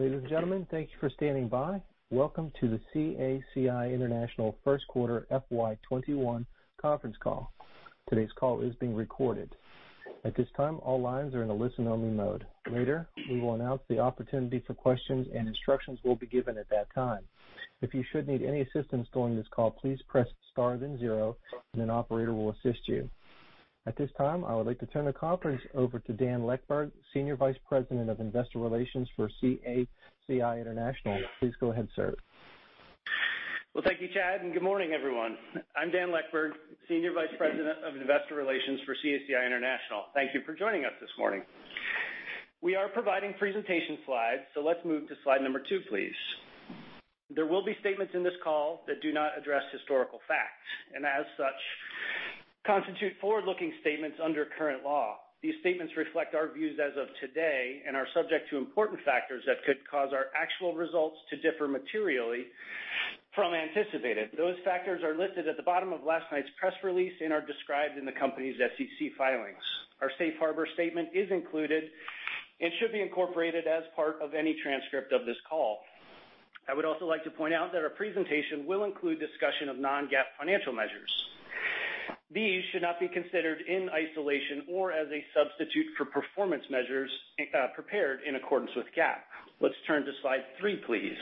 Ladies and gentlemen, thank you for standing by. Welcome to the CACI International First Quarter FY21 Conference Call. Today's call is being recorded. At this time, all lines are in a listen-only mode. Later, we will announce the opportunity for questions, and instructions will be given at that time. If you should need any assistance during this call, please press star then zero, and an operator will assist you. At this time, I would like to turn the conference over to Dan Leckberg, Senior Vice President of Investor Relations for CACI International. Please go ahead, sir. Well, thank you, Chad, and good morning, everyone. I'm Dan Leckberg, Senior Vice President of Investor Relations for CACI International. Thank you for joining us this morning. We are providing presentation slides, so let's move to slide number two, please. There will be statements in this call that do not address historical facts and, as such, constitute forward-looking statements under current law. These statements reflect our views as of today and are subject to important factors that could cause our actual results to differ materially from anticipated. Those factors are listed at the bottom of last night's press release and are described in the company's SEC filings. Our safe harbor statement is included and should be incorporated as part of any transcript of this call. I would also like to point out that our presentation will include discussion of non-GAAP financial measures. These should not be considered in isolation or as a substitute for performance measures prepared in accordance with GAAP. Let's turn to slide three, please.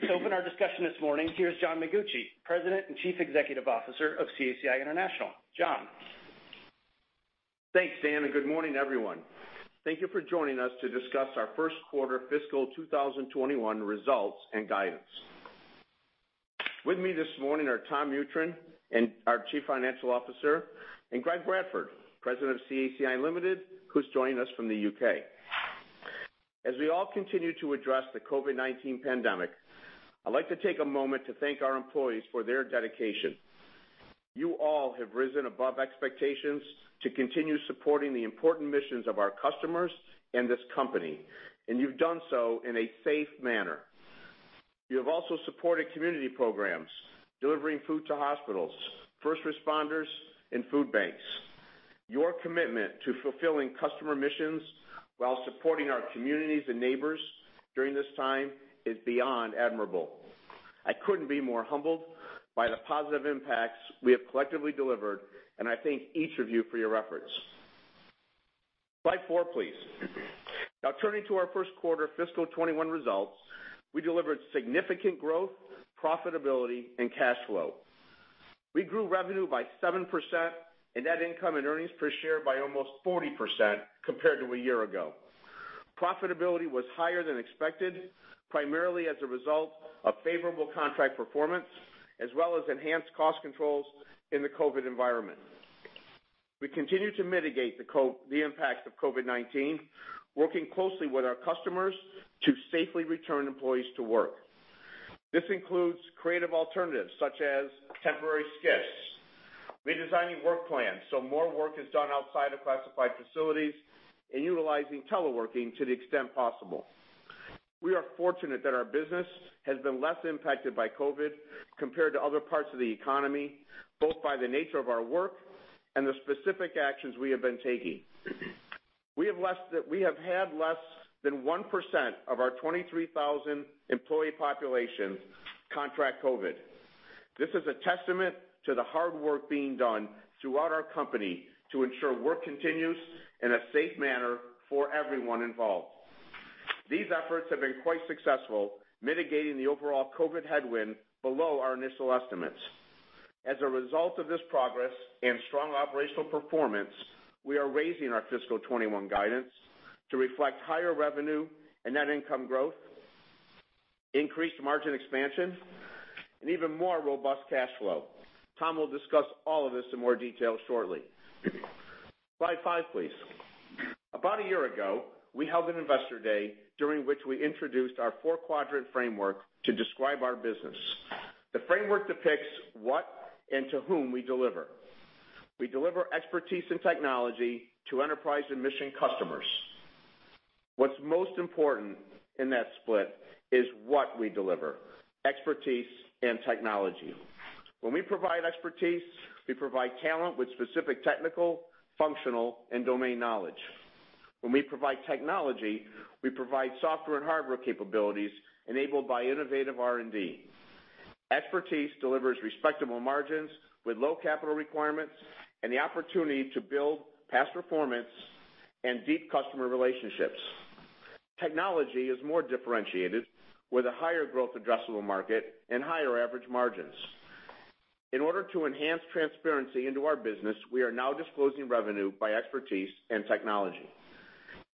To open our discussion this morning, here's John Mengucci, President and Chief Executive Officer of CACI International. John. Thanks, Dan, and good morning, everyone. Thank you for joining us to discuss our first quarter fiscal 2021 results and guidance. With me this morning are Tom Mutryn, our Chief Financial Officer, and Greg Bradford, President of CACI Limited, who's joining us from the UK. As we all continue to address the COVID-19 pandemic, I'd like to take a moment to thank our employees for their dedication. You all have risen above expectations to continue supporting the important missions of our customers and this company, and you've done so in a safe manner. You have also supported community programs, delivering food to hospitals, first responders, and food banks. Your commitment to fulfilling customer missions while supporting our communities and neighbors during this time is beyond admirable. I couldn't be more humbled by the positive impacts we have collectively delivered, and I thank each of you for your efforts. Slide four, please. Now, turning to our first quarter fiscal 2021 results, we delivered significant growth, profitability, and cash flow. We grew revenue by 7% and net income and earnings per share by almost 40% compared to a year ago. Profitability was higher than expected, primarily as a result of favorable contract performance, as well as enhanced cost controls in the COVID environment. We continue to mitigate the impacts of COVID-19, working closely with our customers to safely return employees to work. This includes creative alternatives such as temporary shifts, redesigning work plans so more work is done outside of classified facilities, and utilizing teleworking to the extent possible. We are fortunate that our business has been less impacted by COVID compared to other parts of the economy, both by the nature of our work and the specific actions we have been taking. We have had less than 1% of our 23,000 employee population contract COVID. This is a testament to the hard work being done throughout our company to ensure work continues in a safe manner for everyone involved. These efforts have been quite successful, mitigating the overall COVID headwind below our initial estimates. As a result of this progress and strong operational performance, we are raising our fiscal 2021 guidance to reflect higher revenue and net income growth, increased margin expansion, and even more robust cash flow. Tom will discuss all of this in more detail shortly. Slide five, please. About a year ago, we held an Investor Day during which we introduced our four-quadrant framework to describe our business. The framework depicts what and to whom we deliver. We deliver expertise and technology to enterprise and mission customers. What's most important in that split is what we deliver: expertise and technology. When we provide expertise, we provide talent with specific technical, functional, and domain knowledge. When we provide technology, we provide software and hardware capabilities enabled by innovative R&D. Expertise delivers respectable margins with low capital requirements and the opportunity to build past performance and deep customer relationships. Technology is more differentiated with a higher growth addressable market and higher average margins. In order to enhance transparency into our business, we are now disclosing revenue by expertise and technology.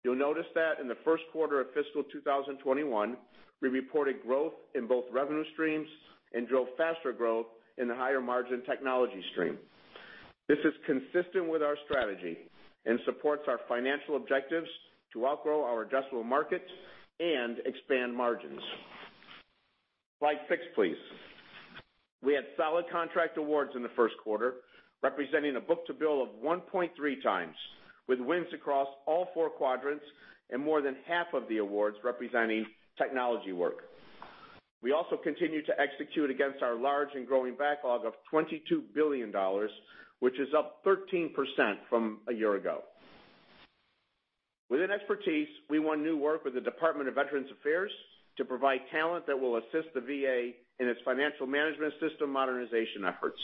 You'll notice that in the first quarter of fiscal 2021, we reported growth in both revenue streams and drove faster growth in the higher margin technology stream. This is consistent with our strategy and supports our financial objectives to outgrow our addressable market and expand margins. Slide six, please. We had solid contract awards in the first quarter, representing a book-to-bill of 1.3 times, with wins across all four quadrants and more than half of the awards representing technology work. We also continue to execute against our large and growing backlog of $22 billion, which is up 13% from a year ago. Within expertise, we won new work with the Department of Veterans Affairs to provide talent that will assist the VA in its financial management system modernization efforts.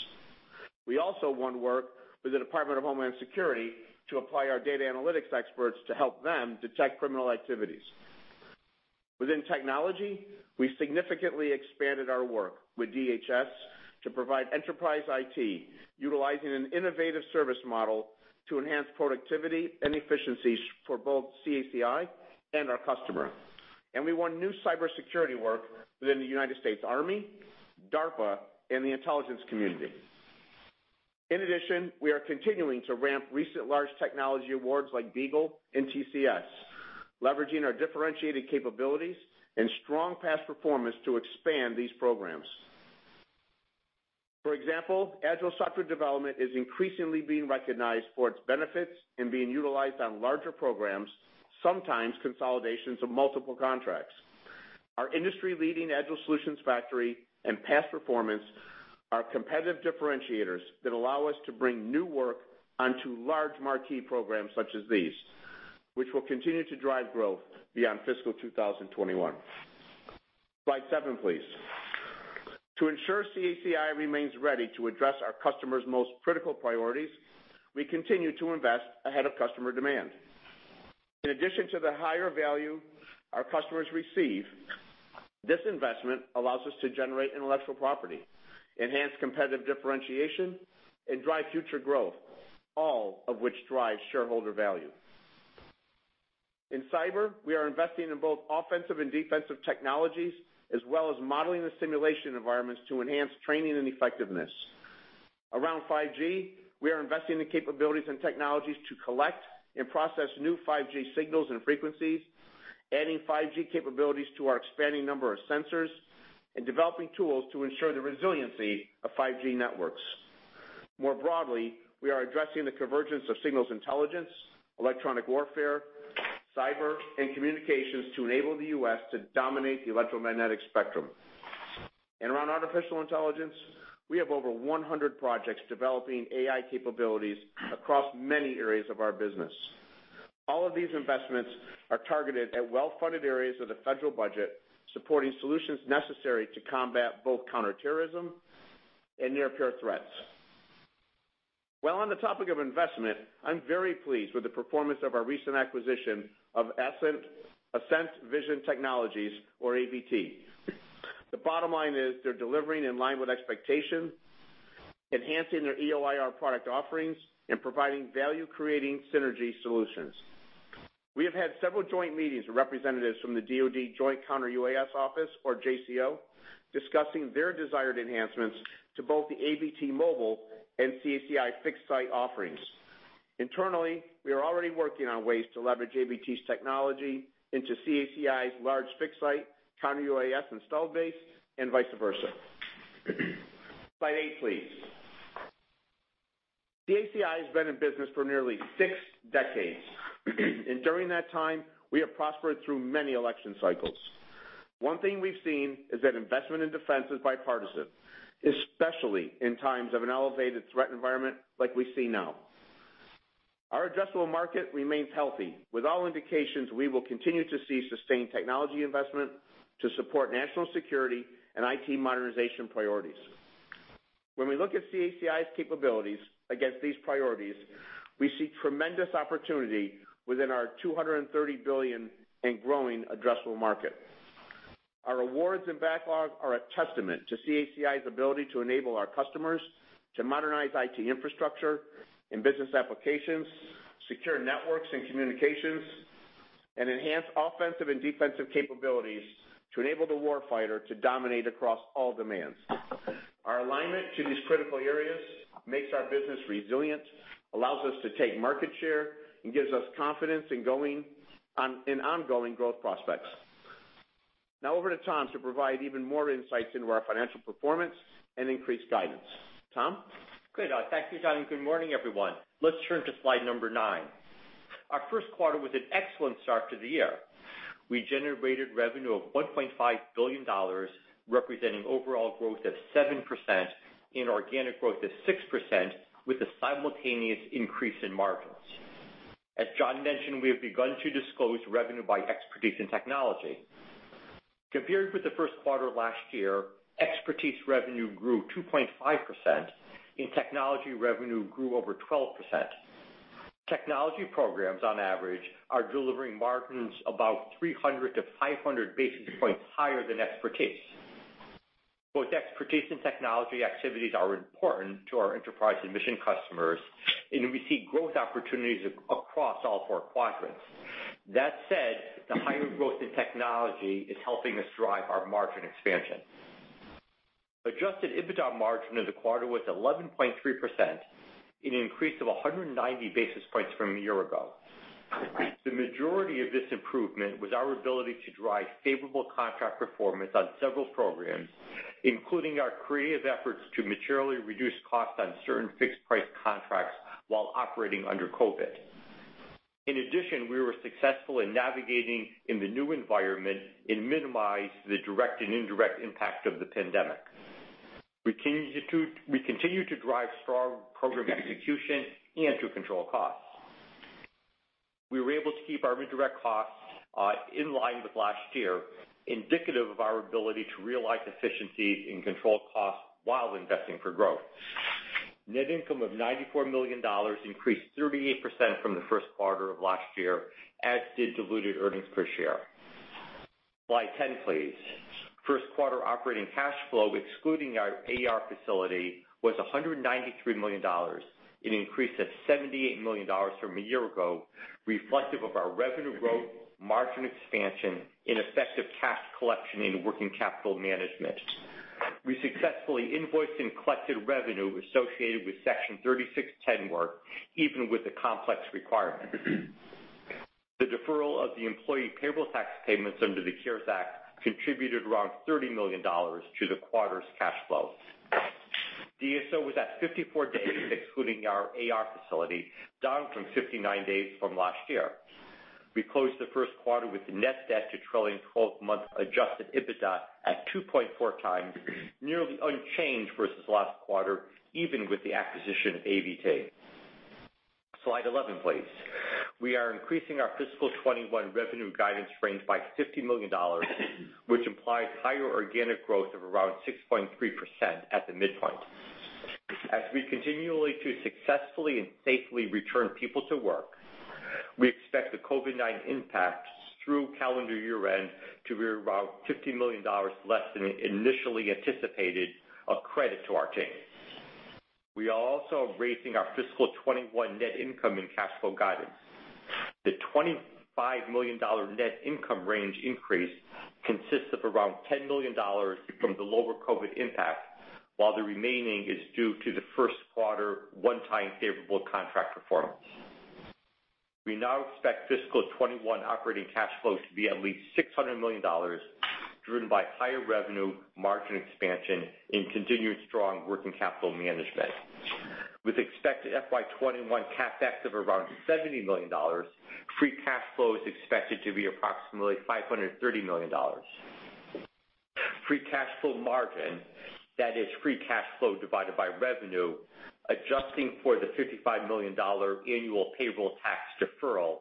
We also won work with the Department of Homeland Security to apply our data analytics experts to help them detect criminal activities. Within technology, we significantly expanded our work with DHS to provide enterprise IT, utilizing an innovative service model to enhance productivity and efficiencies for both CACI and our customer. And we won new cybersecurity work within the United States Army, DARPA, and the Intelligence Community. In addition, we are continuing to ramp recent large technology awards like BEAGLE and TCS, leveraging our differentiated capabilities and strong past performance to expand these programs. For example, agile software development is increasingly being recognized for its benefits and being utilized on larger programs, sometimes consolidations of multiple contracts. Our industry-leading Agile Solutions Factory and past performance are competitive differentiators that allow us to bring new work onto large marquee programs such as these, which will continue to drive growth beyond fiscal 2021. Slide seven, please. To ensure CACI remains ready to address our customers' most critical priorities, we continue to invest ahead of customer demand. In addition to the higher value our customers receive, this investment allows us to generate intellectual property, enhance competitive differentiation, and drive future growth, all of which drives shareholder value. In cyber, we are investing in both offensive and defensive technologies, as well as modeling and simulation environments to enhance training and effectiveness. Around 5G, we are investing in capabilities and technologies to collect and process new 5G signals and frequencies, adding 5G capabilities to our expanding number of sensors, and developing tools to ensure the resiliency of 5G networks. More broadly, we are addressing the convergence of signals intelligence, electronic warfare, cyber, and communications to enable the U.S. to dominate the electromagnetic spectrum. And around artificial intelligence, we have over 100 projects developing AI capabilities across many areas of our business. All of these investments are targeted at well-funded areas of the federal budget, supporting solutions necessary to combat both counterterrorism and near-peer threats, well, on the topic of investment. I'm very pleased with the performance of our recent acquisition of Ascent Vision Technologies, or AVT. The bottom line is they're delivering in line with expectations, enhancing their EO/IR product offerings, and providing value-creating synergy solutions. We have had several joint meetings with representatives from the DOD Joint Counter-UAS Office, or JCO, discussing their desired enhancements to both the AVT mobile and CACI fixed-site offerings. Internally, we are already working on ways to leverage AVT's technology into CACI's large fixed-site counter-UAS installed base and vice versa. Slide eight, please. CACI has been in business for nearly six decades, and during that time, we have prospered through many election cycles. One thing we've seen is that investment in defense is bipartisan, especially in times of an elevated threat environment like we see now. Our addressable market remains healthy, with all indications we will continue to see sustained technology investment to support national security and IT modernization priorities. When we look at CACI's capabilities against these priorities, we see tremendous opportunity within our $230 billion and growing addressable market. Our awards and backlog are a testament to CACI's ability to enable our customers to modernize IT infrastructure and business applications, secure networks and communications, and enhance offensive and defensive capabilities to enable the warfighter to dominate across all domains. Our alignment to these critical areas makes our business resilient, allows us to take market share, and gives us confidence in ongoing growth prospects. Now over to Tom to provide even more insights into our financial performance and increased guidance. Tom? Good. Thank you, John, and good morning, everyone. Let's turn to slide number nine. Our first quarter was an excellent start to the year. We generated revenue of $1.5 billion, representing overall growth of 7% and organic growth of 6% with a simultaneous increase in margins. As John mentioned, we have begun to disclose revenue by expertise and technology. Compared with the first quarter last year, expertise revenue grew 2.5%, and technology revenue grew over 12%. Technology programs, on average, are delivering margins about 300-500 basis points higher than expertise. Both expertise and technology activities are important to our enterprise and mission customers, and we see growth opportunities across all four quadrants. That said, the higher growth in technology is helping us drive our margin expansion. Adjusted EBITDA margin of the quarter was 11.3%, an increase of 190 basis points from a year ago. The majority of this improvement was our ability to drive favorable contract performance on several programs, including our creative efforts to materially reduce costs on certain fixed-price contracts while operating under COVID. In addition, we were successful in navigating the new environment and minimized the direct and indirect impact of the pandemic. We continue to drive strong program execution and to control costs. We were able to keep our indirect costs in line with last year, indicative of our ability to realize efficiencies and control costs while investing for growth. Net income of $94 million increased 38% from the first quarter of last year, as did diluted earnings per share. Slide 10, please. First quarter operating cash flow, excluding our AR facility, was $193 million, an increase of $78 million from a year ago, reflective of our revenue growth, margin expansion, and effective cash collection and working capital management. We successfully invoiced and collected revenue associated with Section 3610 work, even with the complex requirement. The deferral of the employee payroll tax payments under the CARES Act contributed around $30 million to the quarter's cash flow. DSO was at 54 days, excluding our AR facility, down from 59 days from last year. We closed the first quarter with net debt to trailing 12-month adjusted EBITDA at 2.4 times, nearly unchanged versus last quarter, even with the acquisition of AVT. Slide 11, please. We are increasing our fiscal 2021 revenue guidance range by $50 million, which implies higher organic growth of around 6.3% at the midpoint. As we continue to successfully and safely return people to work, we expect the COVID-19 impact through calendar year-end to be around $50 million less than initially anticipated, a credit to our team. We are also raising our fiscal 2021 net income and cash flow guidance. The $25 million net income range increase consists of around $10 million from the lower COVID impact, while the remaining is due to the first quarter one-time favorable contract performance. We now expect fiscal 2021 operating cash flow to be at least $600 million, driven by higher revenue, margin expansion, and continued strong working capital management. With expected FY 2021 CapEx of around $70 million, free cash flow is expected to be approximately $530 million. Free cash flow margin, that is free cash flow divided by revenue, adjusting for the $55 million annual payroll tax deferral,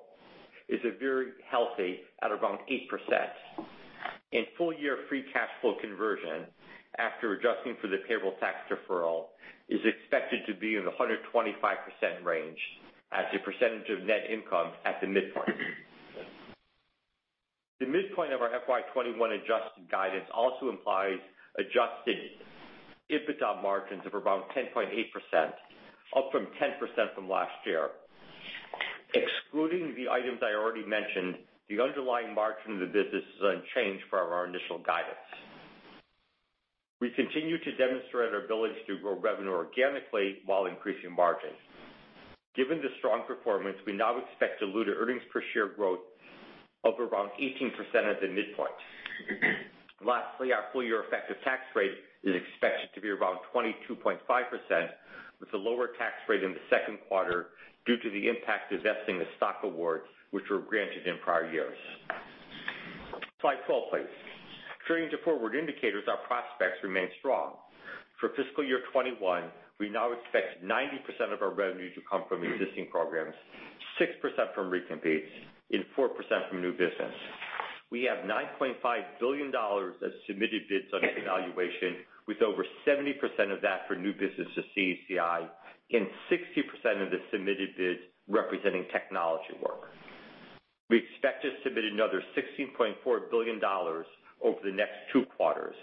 is very healthy at around 8%. In full-year free cash flow conversion, after adjusting for the payroll tax deferral, is expected to be in the 125% range as a percentage of net income at the midpoint. The midpoint of our FY 2021 adjusted guidance also implies adjusted EBITDA margins of around 10.8%, up from 10% from last year. Excluding the items I already mentioned, the underlying margin of the business is unchanged from our initial guidance. We continue to demonstrate our ability to grow revenue organically while increasing margins. Given the strong performance, we now expect diluted earnings per share growth of around 18% at the midpoint. Lastly, our full-year effective tax rate is expected to be around 22.5%, with a lower tax rate in the second quarter due to the impact of vesting the stock awards which were granted in prior years. Slide 12, please. Turning to forward indicators, our prospects remain strong. For fiscal year 2021, we now expect 90% of our revenue to come from existing programs, 6% from recompetes, and 4% from new business. We have $9.5 billion of submitted bids under evaluation, with over 70% of that for new business to CACI and 60% of the submitted bids representing technology work. We expect to submit another $16.4 billion over the next two quarters,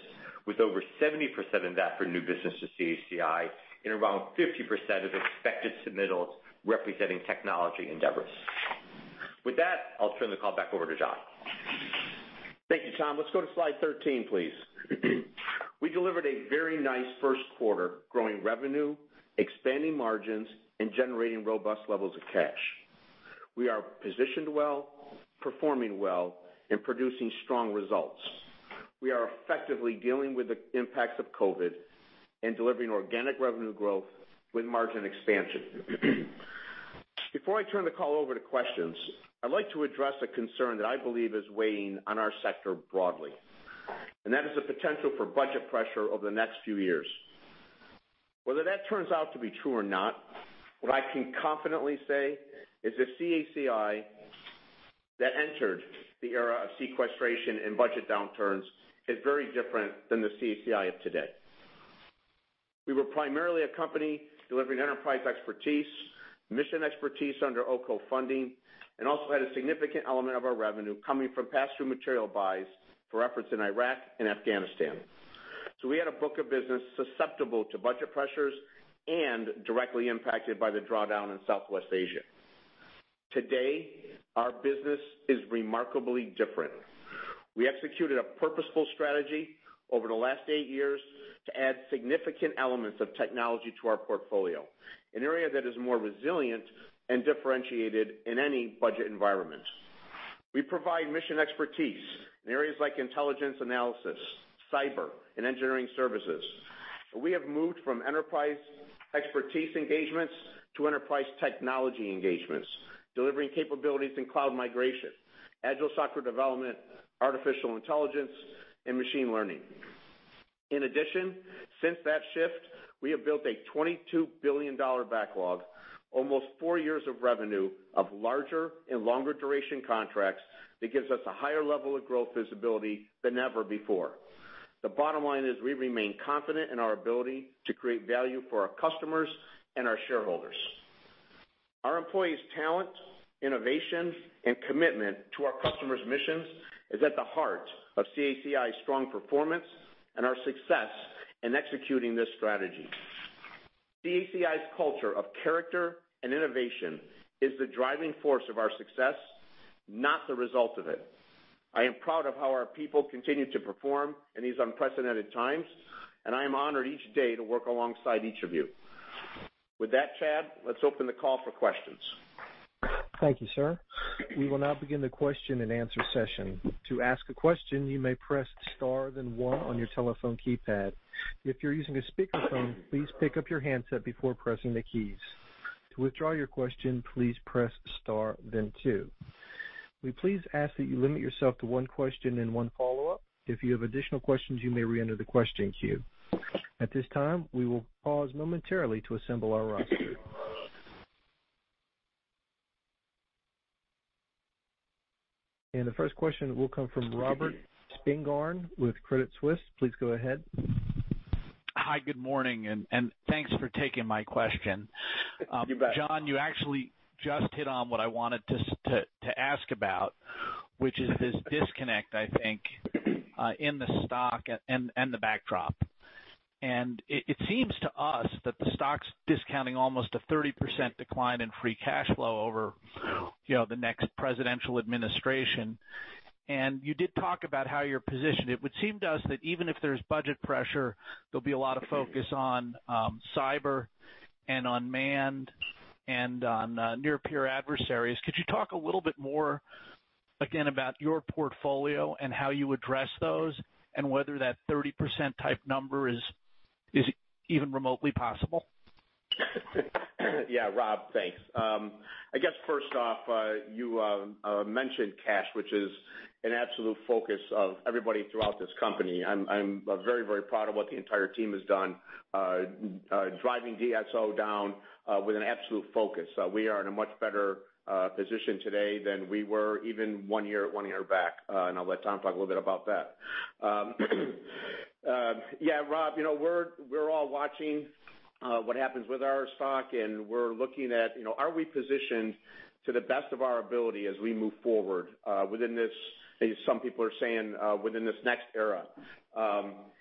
with over 70% of that for new business to CACI and around 50% of expected submittals representing technology endeavors. With that, I'll turn the call back over to John. Thank you, Tom. Let's go to slide 13, please. We delivered a very nice first quarter, growing revenue, expanding margins, and generating robust levels of cash. We are positioned well, performing well, and producing strong results. We are effectively dealing with the impacts of COVID and delivering organic revenue growth with margin expansion. Before I turn the call over to questions, I'd like to address a concern that I believe is weighing on our sector broadly, and that is the potential for budget pressure over the next few years. Whether that turns out to be true or not, what I can confidently say is the CACI that entered the era of sequestration and budget downturns is very different than the CACI of today. We were primarily a company delivering enterprise expertise, mission expertise under OCO funding, and also had a significant element of our revenue coming from pass-through material buys for efforts in Iraq and Afghanistan. So we had a book of business susceptible to budget pressures and directly impacted by the drawdown in Southwest Asia. Today, our business is remarkably different. We executed a purposeful strategy over the last eight years to add significant elements of technology to our portfolio, an area that is more resilient and differentiated in any budget environment. We provide mission expertise in areas like intelligence analysis, cyber, and engineering services. We have moved from enterprise expertise engagements to enterprise technology engagements, delivering capabilities in cloud migration, agile software development, artificial intelligence, and machine learning. In addition, since that shift, we have built a $22 billion backlog, almost four years of revenue of larger and longer duration contracts that gives us a higher level of growth visibility than ever before. The bottom line is we remain confident in our ability to create value for our customers and our shareholders. Our employees' talent, innovation, and commitment to our customers' missions is at the heart of CACI's strong performance and our success in executing this strategy. CACI's culture of character and innovation is the driving force of our success, not the result of it. I am proud of how our people continue to perform in these unprecedented times, and I am honored each day to work alongside each of you. With that, Chad, let's open the call for questions. Thank you, sir. We will now begin the question and answer session. To ask a question, you may press star then one on your telephone keypad. If you're using a speakerphone, please pick up your handset before pressing the keys. To withdraw your question, please press star then two. We please ask that you limit yourself to one question and one follow-up. If you have additional questions, you may re-enter the question queue. At this time, we will pause momentarily to assemble our roster. And the first question will come from Robert Spingarn with Credit Suisse. Please go ahead. Hi, good morning, and thanks for taking my question. You bet. John, you actually just hit on what I wanted to ask about, which is this disconnect, I think, in the stock and the backdrop. And it seems to us that the stock's discounting almost a 30% decline in free cash flow over the next presidential administration. And you did talk about how you're positioned. It would seem to us that even if there's budget pressure, there'll be a lot of focus on cyber and unmanned and on near-peer adversaries. Could you talk a little bit more again about your portfolio and how you address those and whether that 30% type number is even remotely possible? Yeah, Rob, thanks. I guess first off, you mentioned cash, which is an absolute focus of everybody throughout this company. I'm very, very proud of what the entire team has done, driving DSO down with an absolute focus. We are in a much better position today than we were even one year back, and I'll let Tom talk a little bit about that. Yeah, Rob, we're all watching what happens with our stock, and we're looking at are we positioned to the best of our ability as we move forward within this, as some people are saying, within this next era.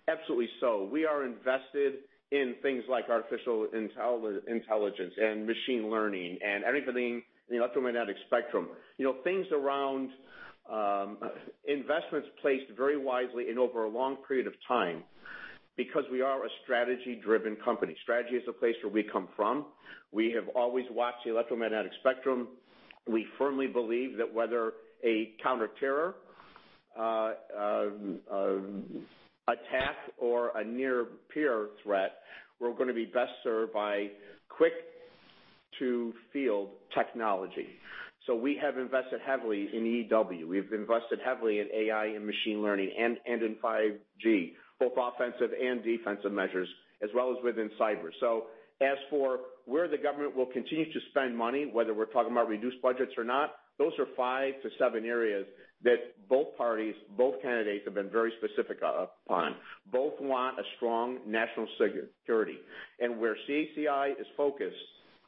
Absolutely so. We are invested in things like artificial intelligence and machine learning and everything in the electromagnetic spectrum, things around investments placed very wisely and over a long period of time because we are a strategy-driven company. Strategy is the place where we come from. We have always watched the electromagnetic spectrum. We firmly believe that whether a counterterror attack or a near-peer threat, we're going to be best served by quick-to-field technology. So we have invested heavily in EW. We've invested heavily in AI and machine learning and in 5G, both offensive and defensive measures, as well as within cyber. So as for where the government will continue to spend money, whether we're talking about reduced budgets or not, those are five to seven areas that both parties, both candidates have been very specific upon. Both want a strong national security. And where CACI is focused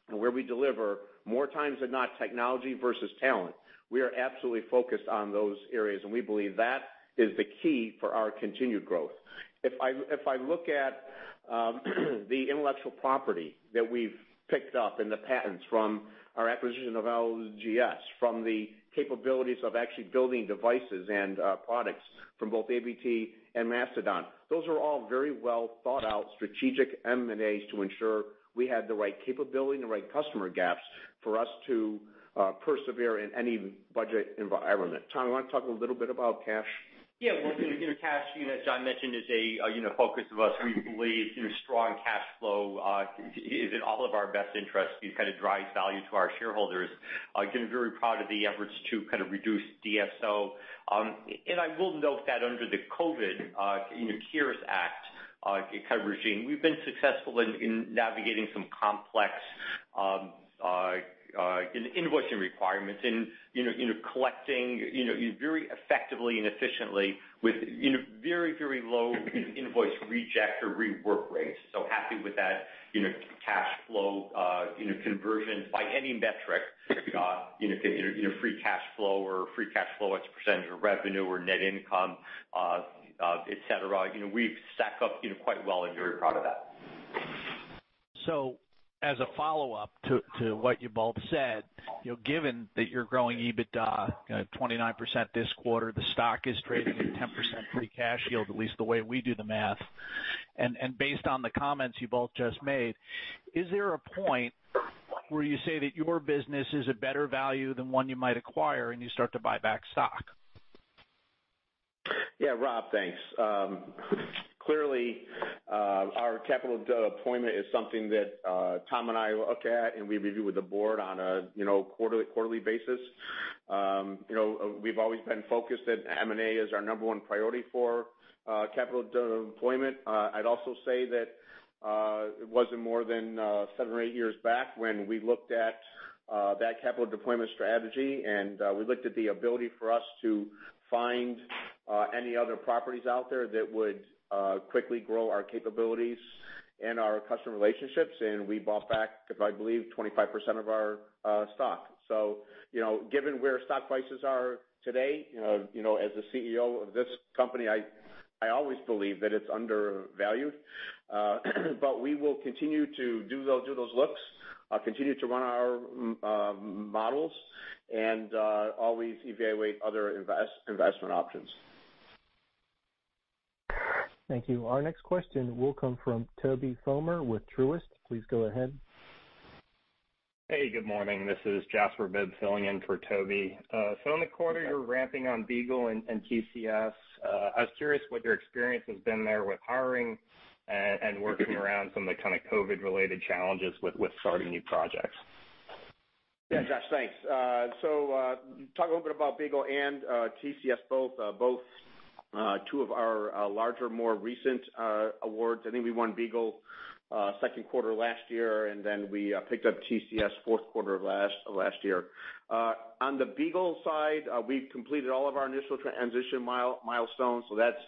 and where we deliver, more times than not, technology versus talent, we are absolutely focused on those areas, and we believe that is the key for our continued growth. If I look at the intellectual property that we've picked up and the patents from our acquisition of LGS, from the capabilities of actually building devices and products from both AVT and Mastodon, those are all very well thought-out strategic M&As to ensure we had the right capability and the right customer gaps for us to persevere in any budget environment. Tom, you want to talk a little bit about cash? Yeah, well, CACI, as John mentioned, is a focus of us. We believe strong cash flow is in all of our best interests. It kind of drives value to our shareholders. I'm very proud of the efforts to kind of reduce DSO, and I will note that under the COVID-19 CARES Act kind of regime, we've been successful in navigating some complex invoicing requirements and collecting very effectively and efficiently with very, very low invoice reject or rework rates, so happy with that cash flow conversion by any metric, free cash flow or free cash flow as a percentage of revenue or net income, etc. We've stacked up quite well and very proud of that. So as a follow-up to what you both said, given that you're growing EBITDA 29% this quarter, the stock is trading at 10% free cash yield, at least the way we do the math. And based on the comments you both just made, is there a point where you say that your business is a better value than one you might acquire and you start to buy back stock? Yeah, Rob, thanks. Clearly, our capital deployment is something that Tom and I look at and we review with the board on a quarterly basis. We've always been focused at M&A as our number one priority for capital deployment. I'd also say that it wasn't more than seven or eight years back when we looked at that capital deployment strategy, and we looked at the ability for us to find any other properties out there that would quickly grow our capabilities and our customer relationships, and we bought back, I believe, 25% of our stock. So given where stock prices are today, as the CEO of this company, I always believe that it's undervalued. But we will continue to do those looks, continue to run our models, and always evaluate other investment options. Thank you. Our next question will come from Tobey Sommer with Truist. Please go ahead. Hey, good morning. This is Jasper Bibb filling in for Tobey. So in the quarter, you're ramping on BEAGLE and TCS. I was curious what your experience has been there with hiring and working around some of the kind of COVID-related challenges with starting new projects. Yeah, Jas, thanks. So talk a little bit about BEAGLE and TCS, both two of our larger, more recent awards. I think we won BEAGLE second quarter last year, and then we picked up TCS fourth quarter of last year. On the BEAGLE side, we've completed all of our initial transition milestones. So that's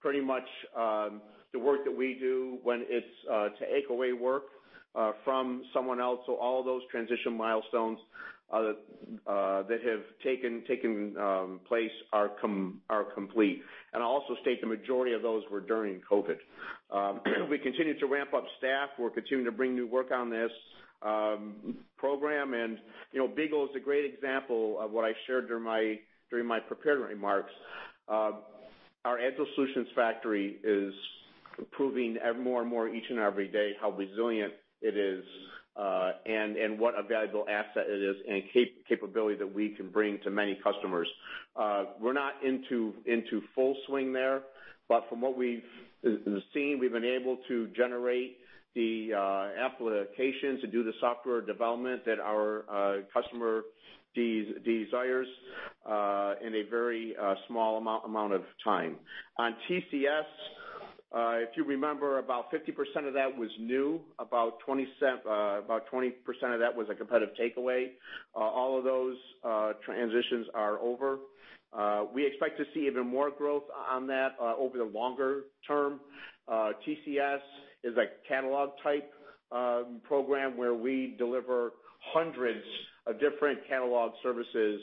pretty much the work that we do when it's to take away work from someone else. So all those transition milestones that have taken place are complete. And I'll also state the majority of those were during COVID. We continue to ramp up staff. We're continuing to bring new work on this program. And BEAGLE is a great example of what I shared during my prepared remarks. Our Agile Solutions Factory is proving more and more each and every day how resilient it is and what a valuable asset it is and capability that we can bring to many customers. We're not into full swing there, but from what we've seen, we've been able to generate the applications and do the software development that our customer desires in a very small amount of time. On TCS, if you remember, about 50% of that was new. About 20% of that was a competitive takeaway. All of those transitions are over. We expect to see even more growth on that over the longer term. TCS is a catalog-type program where we deliver hundreds of different catalog services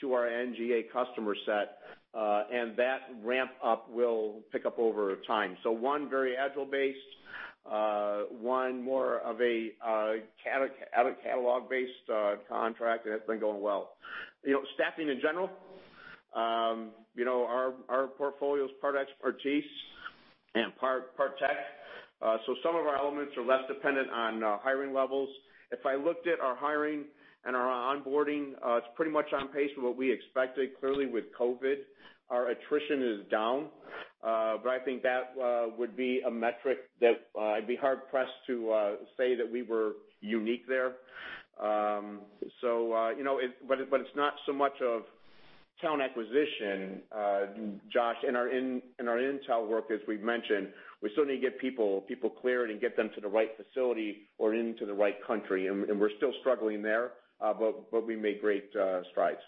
to our NGA customer set, and that ramp-up will pick up over time. So one very agile-based, one more of a catalog-based contract, and it's been going well. Staffing in general, our portfolio is part expertise and part tech. So some of our elements are less dependent on hiring levels. If I looked at our hiring and our onboarding, it's pretty much on pace with what we expected. Clearly, with COVID, our attrition is down, but I think that would be a metric that I'd be hard-pressed to say that we were unique there. But it's not so much of talent acquisition, Jas. In our intel work, as we've mentioned, we still need to get people cleared and get them to the right facility or into the right country. And we're still struggling there, but we made great strides.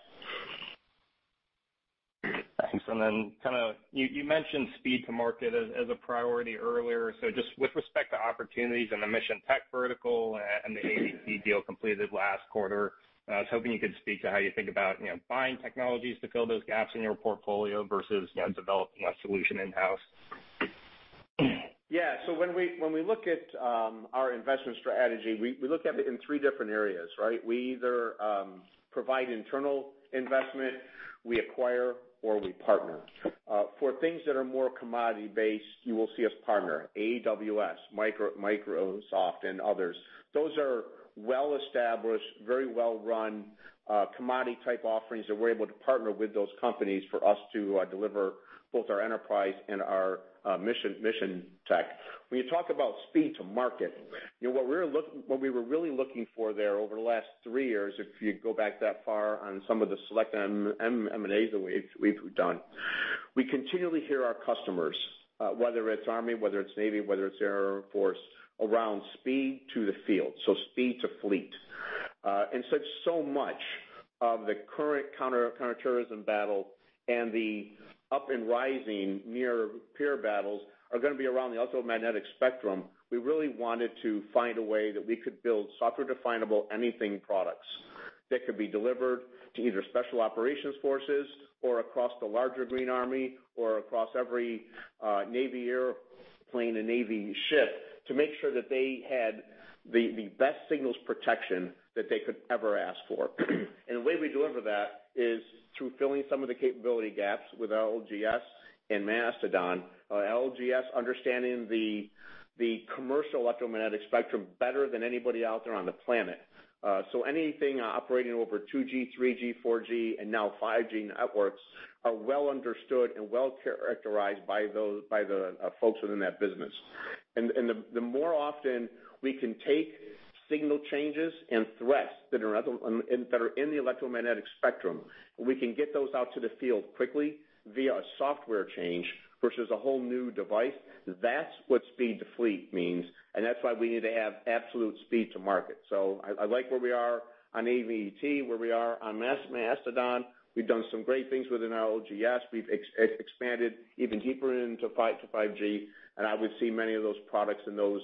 Thanks. And then kind of, you mentioned speed to market as a priority earlier. So just with respect to opportunities and the mission tech vertical and the AVT deal completed last quarter, I was hoping you could speak to how you think about buying technologies to fill those gaps in your portfolio versus developing a solution in-house. Yeah. So when we look at our investment strategy, we look at it in three different areas, right? We either provide internal investment, we acquire, or we partner. For things that are more commodity-based, you will see us partner: AWS, Microsoft, and others. Those are well-established, very well-run commodity-type offerings that we're able to partner with those companies for us to deliver both our enterprise and our mission tech. When you talk about speed to market, what we were really looking for there over the last three years, if you go back that far on some of the select M&As that we've done, we continually hear our customers, whether it's Army, whether it's Navy, whether it's Air Force, around speed to the field. So speed to fleet. And since so much of the current counterterrorism battle and the up-and-rising near-peer battles are going to be around the electromagnetic spectrum, we really wanted to find a way that we could build software-definable anything products that could be delivered to either Special Operations Forces or across the larger Green Army or across every Navy airplane and Navy ship to make sure that they had the best signals protection that they could ever ask for. And the way we deliver that is through filling some of the capability gaps with LGS and Mastodon. LGS understanding the commercial electromagnetic spectrum better than anybody out there on the planet. So anything operating over 2G, 3G, 4G, and now 5G networks are well understood and well characterized by the folks within that business. The more often we can take signal changes and threats that are in the electromagnetic spectrum, we can get those out to the field quickly via a software change versus a whole new device. That's what speed to fleet means. That's why we need to have absolute speed to market. I like where we are on AVT, where we are on Mastodon. We've done some great things within our LGS. We've expanded even deeper into 5G. I would see many of those products and those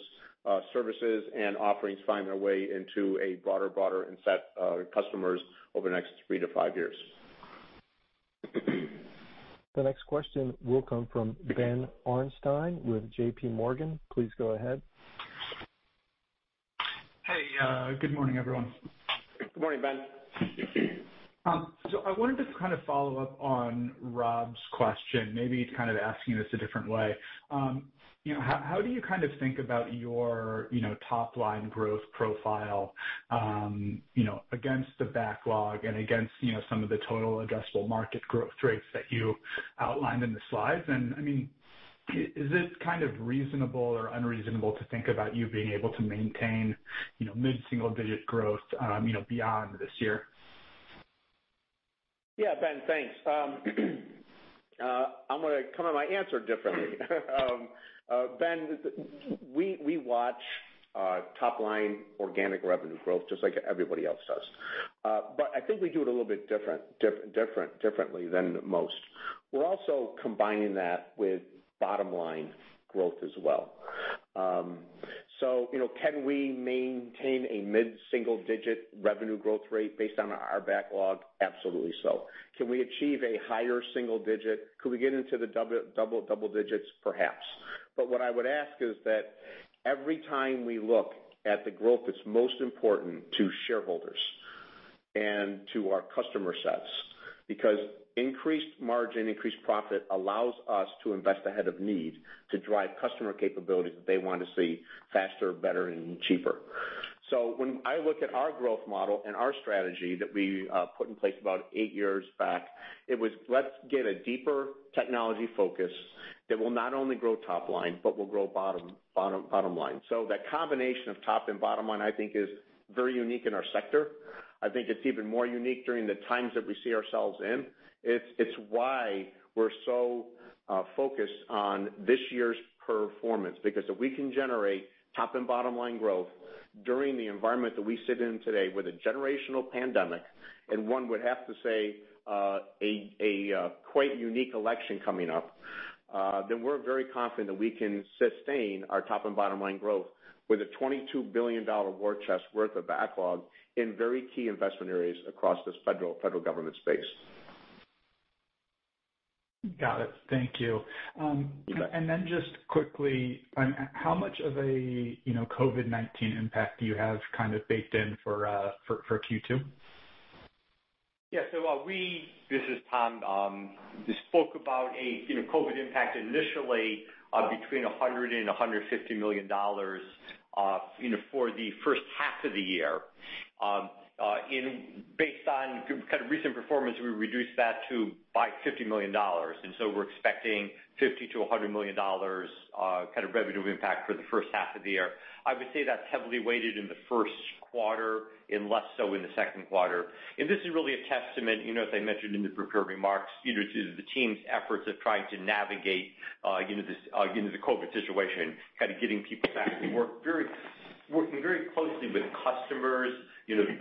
services and offerings find their way into a broader set of customers over the next three to five years. The next question will come from Ben Arnstein with JPMorgan. Please go ahead. Hey, good morning, everyone. Good morning, Ben. So I wanted to kind of follow up on Rob's question, maybe kind of asking this a different way. How do you kind of think about your top-line growth profile against the backlog and against some of the total addressable market growth rates that you outlined in the slides? And I mean, is it kind of reasonable or unreasonable to think about you being able to maintain mid-single-digit growth beyond this year? Yeah, Ben, thanks. I'm going to come at my answer differently. Ben, we watch top-line organic revenue growth just like everybody else does. But I think we do it a little bit differently than most. We're also combining that with bottom-line growth as well. So can we maintain a mid-single-digit revenue growth rate based on our backlog? Absolutely so. Can we achieve a higher single digit? Could we get into the double digits? Perhaps. But what I would ask is that every time we look at the growth that's most important to shareholders and to our customer sets, because increased margin, increased profit allows us to invest ahead of need to drive customer capabilities that they want to see faster, better, and cheaper. So when I look at our growth model and our strategy that we put in place about eight years back, it was, "Let's get a deeper technology focus that will not only grow top line, but will grow bottom line." So that combination of top and bottom line, I think, is very unique in our sector. I think it's even more unique during the times that we see ourselves in. It's why we're so focused on this year's performance. Because if we can generate top and bottom line growth during the environment that we sit in today with a generational pandemic, and one would have to say a quite unique election coming up, then we're very confident that we can sustain our top and bottom line growth with a $22 billion war chest worth of backlog in very key investment areas across this federal government space. Got it. Thank you. And then just quickly, how much of a COVID-19 impact do you have kind of baked in for Q2? Yeah. So we. This is Tom. We spoke about a COVID impact initially between $100 million and $150 million for the first half of the year. Based on kind of recent performance, we reduced that by $50 million. And so we're expecting $50 million to $100 million kind of revenue impact for the first half of the year. I would say that's heavily weighted in the first quarter and less so in the second quarter. And this is really a testament, as I mentioned in the prepared remarks, to the team's efforts of trying to navigate the COVID situation, kind of getting people back to work, working very closely with customers,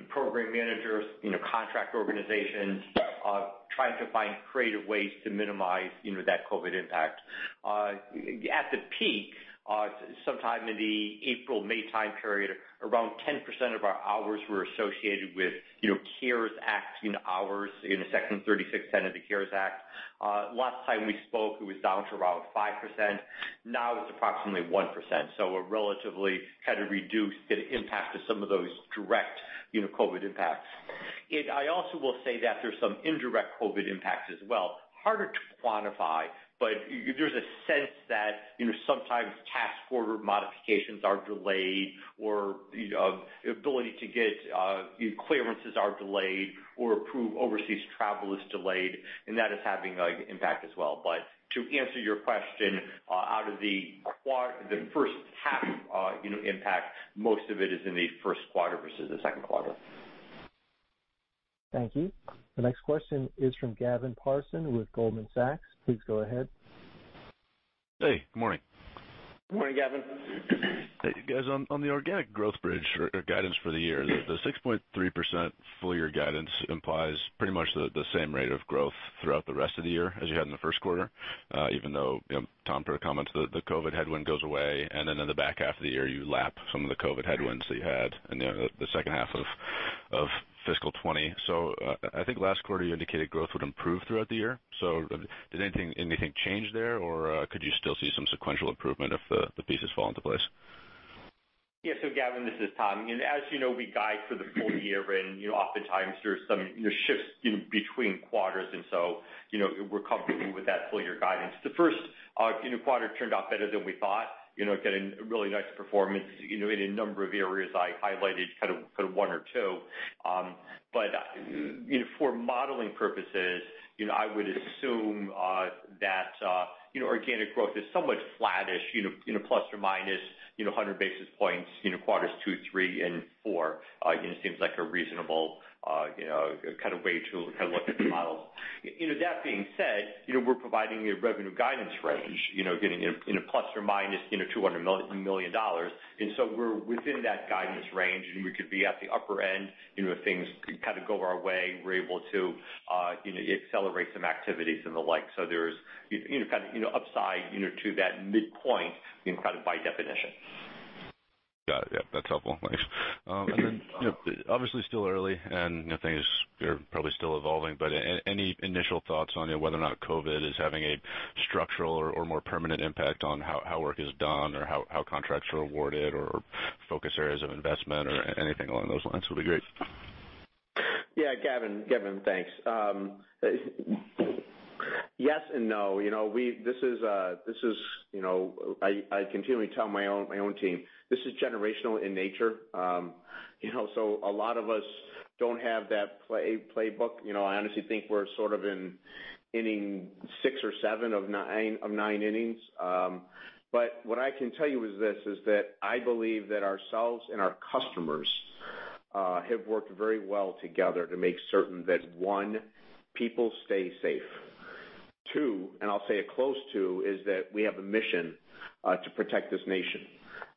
program managers, contract organizations, trying to find creative ways to minimize that COVID impact. At the peak, sometime in the April, May time period, around 10% of our hours were associated with CARES Act hours in the Section 3610 of the CARES Act. Last time we spoke, it was down to around 5%. Now it's approximately 1%. So we're relatively kind of reduced the impact of some of those direct COVID impacts. I also will say that there's some indirect COVID impacts as well. Harder to quantify, but there's a sense that sometimes task order modifications are delayed or ability to get clearances are delayed or approved overseas travel is delayed. And that is having an impact as well. But to answer your question, out of the first half impact, most of it is in the first quarter versus the second quarter. Thank you. The next question is from Gavin Parsons with Goldman Sachs. Please go ahead. Hey, good morning. Good morning, Gavin. Hey, guys. On the organic growth bridge or guidance for the year, the 6.3% full-year guidance implies pretty much the same rate of growth throughout the rest of the year as you had in the first quarter, even though Tom put a comment that the COVID headwind goes away, and then in the back half of the year, you lap some of the COVID headwinds that you had in the second half of fiscal 2020, so I think last quarter, you indicated growth would improve throughout the year, so did anything change there, or could you still see some sequential improvement if the pieces fall into place? Yeah. So, Gavin, this is Tom. As you know, we guide for the full year, and oftentimes there's some shifts between quarters. And so we're comfortable with that full-year guidance. The first quarter turned out better than we thought, getting really nice performance in a number of areas I highlighted, kind of one or two. But for modeling purposes, I would assume that organic growth is somewhat flattish, plus or minus 100 basis points, quarters two, three, and four. It seems like a reasonable kind of way to kind of look at the models. That being said, we're providing a revenue guidance range, getting in a plus or minus $200 million. And so we're within that guidance range, and we could be at the upper end. If things kind of go our way, we're able to accelerate some activities and the like. So there's kind of upside to that midpoint kind of by definition. Got it. Yep. That's helpful. Thanks. And then, obviously, still early, and things are probably still evolving. But any initial thoughts on whether or not COVID is having a structural or more permanent impact on how work is done or how contracts are awarded or focus areas of investment or anything along those lines would be great. Yeah. Gavin, thanks. Yes and no. This is, I continually tell my own team, this is generational in nature. So a lot of us don't have that playbook. I honestly think we're sort of in inning six or seven of nine innings. But what I can tell you is this: I believe that ourselves and our customers have worked very well together to make certain that, one, people stay safe. Two, and I'll say it close to, is that we have a mission to protect this nation.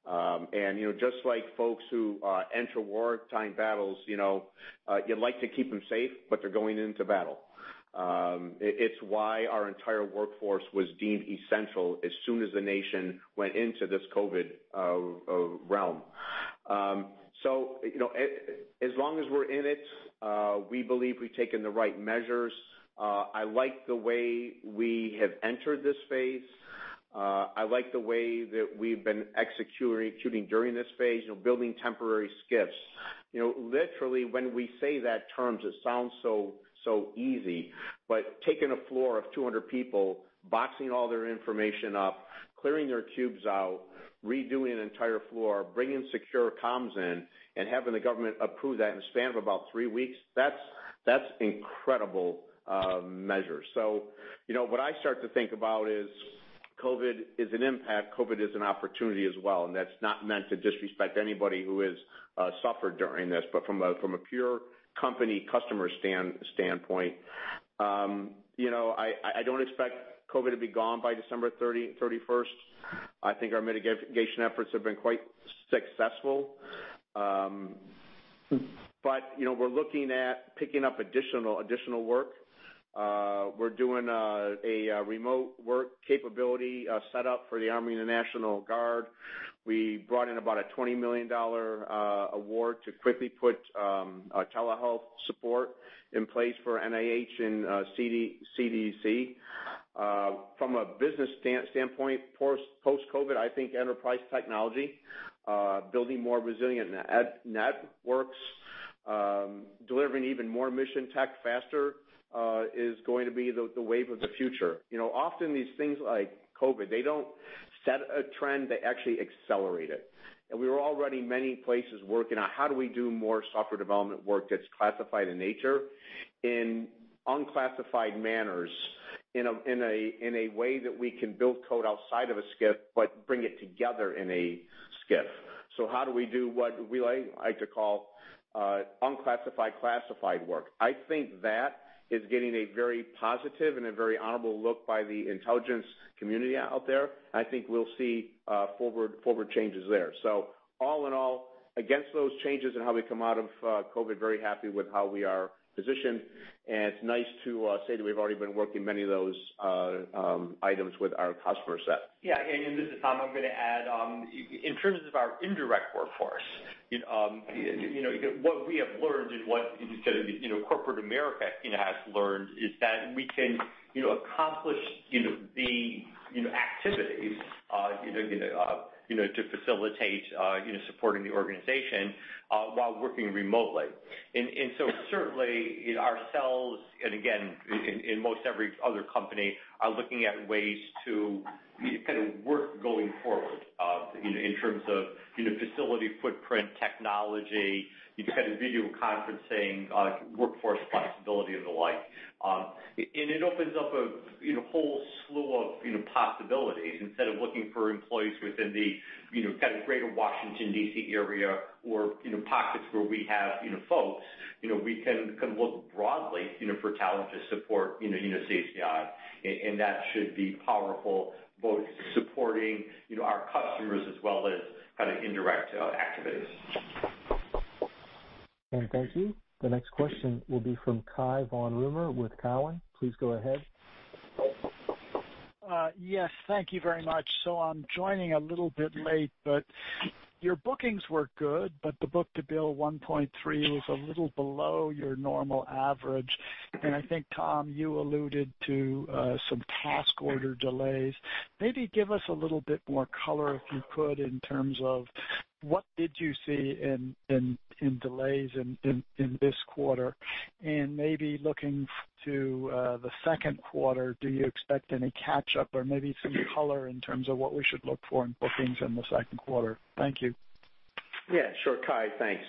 And just like folks who enter wartime battles, you'd like to keep them safe, but they're going into battle. It's why our entire workforce was deemed essential as soon as the nation went into this COVID realm. So as long as we're in it, we believe we've taken the right measures. I like the way we have entered this phase. I like the way that we've been executing during this phase, building temporary SCIFs. Literally, when we say that term, it sounds so easy. But taking a floor of 200 people, boxing all their information up, clearing their cubes out, redoing an entire floor, bringing secure comms in, and having the government approve that in the span of about three weeks, that's incredible measures. So what I start to think about is COVID is an impact. COVID is an opportunity as well. And that's not meant to disrespect anybody who has suffered during this. But from a pure company customer standpoint, I don't expect COVID to be gone by December 31st. I think our mitigation efforts have been quite successful. But we're looking at picking up additional work. We're doing a remote work capability setup for the Army and the National Guard. We brought in about a $20 million award to quickly put telehealth support in place for NIH and CDC. From a business standpoint, post-COVID, I think enterprise technology, building more resilient networks, delivering even more mission tech faster is going to be the wave of the future. Often, these things like COVID, they don't set a trend. They actually accelerate it, and we were already in many places working on how do we do more software development work that's classified in nature in unclassified manners in a way that we can build code outside of a SCIF but bring it together in a SCIF, so how do we do what we like to call unclassified classified work? I think that is getting a very positive and a very honorable look by the intelligence community out there. I think we'll see forward changes there. So all in all, against those changes and how we come out of COVID, very happy with how we are positioned. And it's nice to say that we've already been working many of those items with our customer set. Yeah. And this is Tom. I'm going to add, in terms of our indirect workforce, what we have learned and what corporate America has learned is that we can accomplish the activities to facilitate supporting the organization while working remotely. And so certainly, ourselves, and again, in most every other company, are looking at ways to kind of work going forward in terms of facility footprint, technology, kind of video conferencing, workforce flexibility, and the like. And it opens up a whole slew of possibilities. Instead of looking for employees within the kind of greater Washington, D.C. area or pockets where we have folks, we can look broadly for talent to support CACI. And that should be powerful, both supporting our customers as well as kind of indirect activities. Thank you. The next question will be from Cai von Rumohr with Cowen. Please go ahead. Yes. Thank you very much. So I'm joining a little bit late, but your bookings were good, but the book-to-bill 1.3 was a little below your normal average. And I think, Tom, you alluded to some task order delays. Maybe give us a little bit more color if you could in terms of what did you see in delays in this quarter? And maybe looking to the second quarter, do you expect any catch-up or maybe some color in terms of what we should look for in bookings in the second quarter? Thank you. Yeah. Sure. Cai, thanks.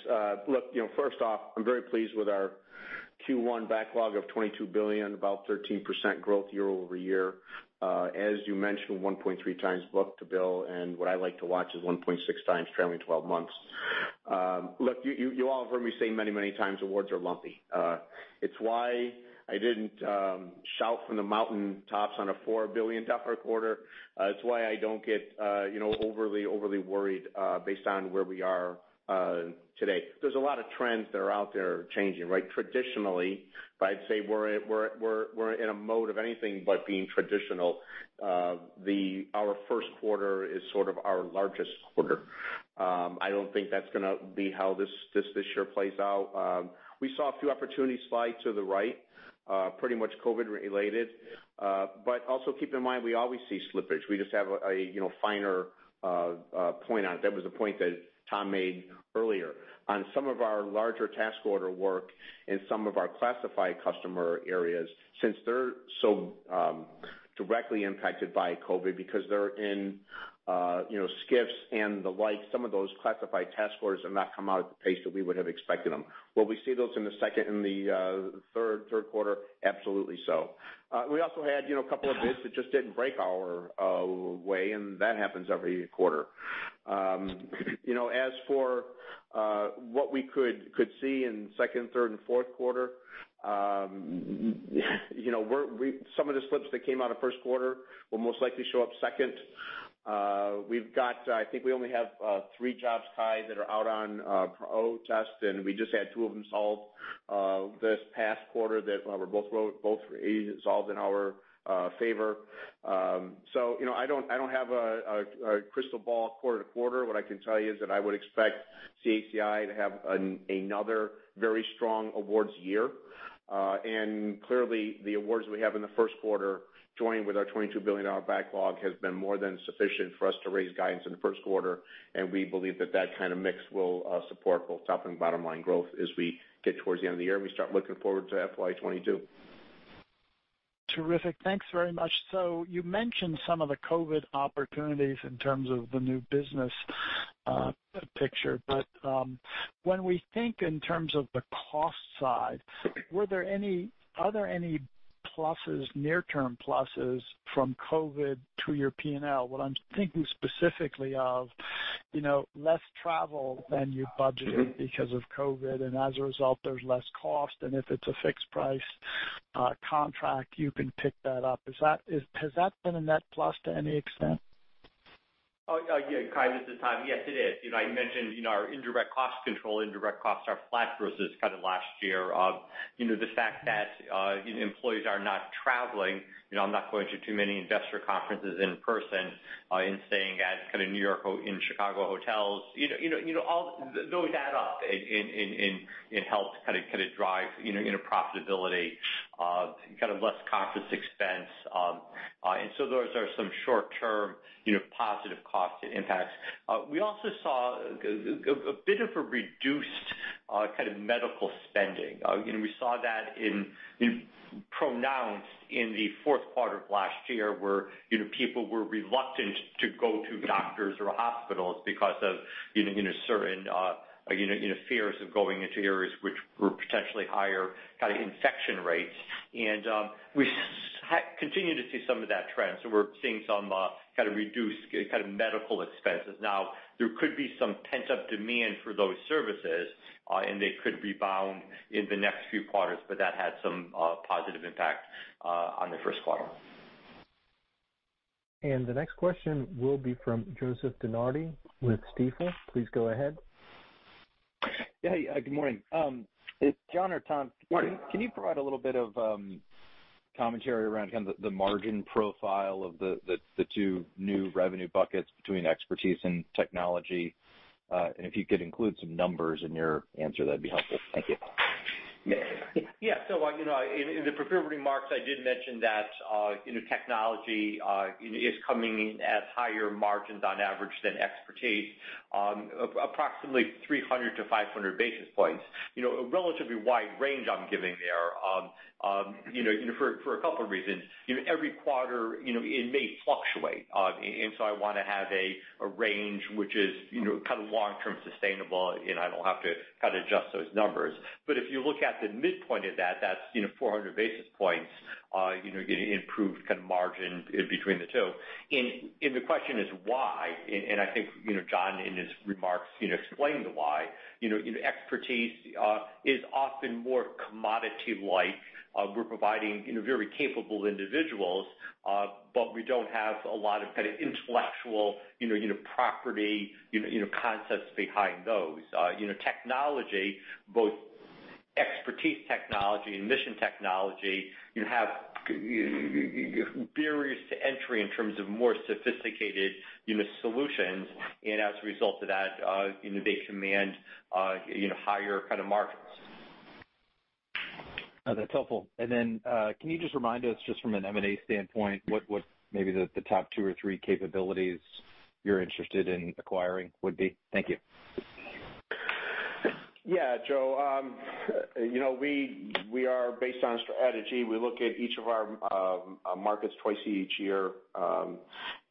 Look, first off, I'm very pleased with our Q1 backlog of $22 billion, about 13% growth year over year. As you mentioned, 1.3x book-to-bill, and what I like to watch is 1.6x trailing 12 months. Look, you all have heard me say many, many times awards are lumpy. It's why I didn't shout from the mountaintops on a $4 billion quarter. It's why I don't get overly, overly worried based on where we are today. There's a lot of trends that are out there changing, right? Traditionally, I'd say we're in a mode of anything but being traditional. Our first quarter is sort of our largest quarter. I don't think that's going to be how this year plays out. We saw a few opportunities slide to the right, pretty much COVID-related. But also keep in mind, we always see slippage. We just have a finer point on it. That was the point that Tom made earlier. On some of our larger task order work and some of our classified customer areas, since they're so directly impacted by COVID because they're in SCIFs and the like, some of those classified task orders have not come out at the pace that we would have expected them. Will we see those in the second and the third quarter? Absolutely so. We also had a couple of bids that just didn't break our way, and that happens every quarter. As for what we could see in second, third, and fourth quarter, some of the slips that came out of first quarter will most likely show up second. I think we only have three jobs, Cai, that are out on protest, and we just had two of them solved this past quarter that were both resolved in our favor. So I don't have a crystal ball quarter to quarter. What I can tell you is that I would expect CACI to have another very strong awards year. And clearly, the awards we have in the first quarter joined with our $22 billion backlog has been more than sufficient for us to raise guidance in the first quarter. And we believe that that kind of mix will support both top and bottom line growth as we get towards the end of the year and we start looking forward to FY 2022. Terrific. Thanks very much. So you mentioned some of the COVID opportunities in terms of the new business picture. But when we think in terms of the cost side, were there any other pluses, near-term pluses from COVID to your P&L? What I'm thinking specifically of, less travel than you budgeted because of COVID. And as a result, there's less cost. And if it's a fixed-price contract, you can pick that up. Has that been a net plus to any extent? Yeah. Cai, this is Tom. Yes, it is. I mentioned our indirect cost control. Indirect costs are flat versus kind of last year. The fact that employees are not traveling, I'm not going to too many investor conferences in person and staying at kind of New York or in Chicago hotels. Those add up and help kind of drive profitability, kind of less conference expense. And so those are some short-term positive cost impacts. We also saw a bit of a reduced kind of medical spending. We saw that pronounced in the fourth quarter of last year where people were reluctant to go to doctors or hospitals because of certain fears of going into areas which were potentially higher kind of infection rates. And we continue to see some of that trend. So we're seeing some kind of reduced kind of medical expenses. Now, there could be some pent-up demand for those services, and they could rebound in the next few quarters. But that had some positive impact on the first quarter. And the next question will be from Joseph DeNardi with Stifel. Please go ahead. Yeah. Good morning. It's John or Tom. Can you provide a little bit of commentary around kind of the margin profile of the two new revenue buckets between expertise and technology? And if you could include some numbers in your answer, that'd be helpful. Thank you. Yeah. So in the prepared remarks, I did mention that technology is coming in at higher margins on average than expertise, approximately 300-500 basis points. A relatively wide range I'm giving there for a couple of reasons. Every quarter, it may fluctuate. And so I want to have a range which is kind of long-term sustainable, and I don't have to kind of adjust those numbers. But if you look at the midpoint of that, that's 400 basis points improved kind of margin between the two. And the question is why? And I think John, in his remarks, explained the why. Expertise is often more commodity-like. We're providing very capable individuals, but we don't have a lot of kind of intellectual property concepts behind those. Technology, both expertise technology and mission technology, have barriers to entry in terms of more sophisticated solutions. As a result of that, they command higher kind of margins. That's helpful. And then can you just remind us, just from an M&A standpoint, what maybe the top two or three capabilities you're interested in acquiring would be? Thank you. Yeah. Joe, we base our strategy. We look at each of our markets twice each year.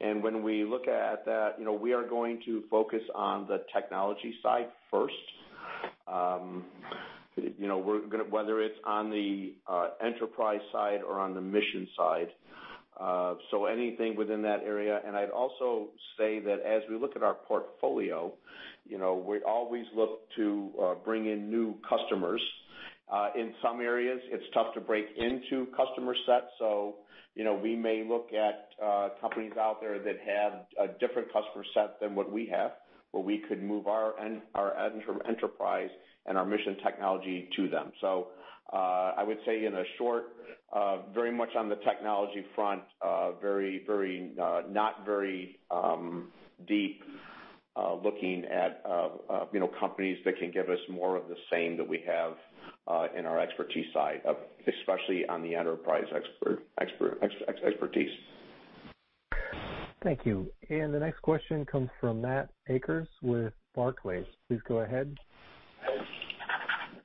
And when we look at that, we are going to focus on the technology side first, whether it's on the enterprise side or on the mission side. So anything within that area. And I'd also say that as we look at our portfolio, we always look to bring in new customers. In some areas, it's tough to break into customer sets. So we may look at companies out there that have a different customer set than what we have, where we could move our enterprise and our mission technology to them. So I would say in short, very much on the technology front, not very deep looking at companies that can give us more of the same that we have in our expertise side, especially on the enterprise expertise. Thank you. And the next question comes from Matt Akers with Barclays. Please go ahead.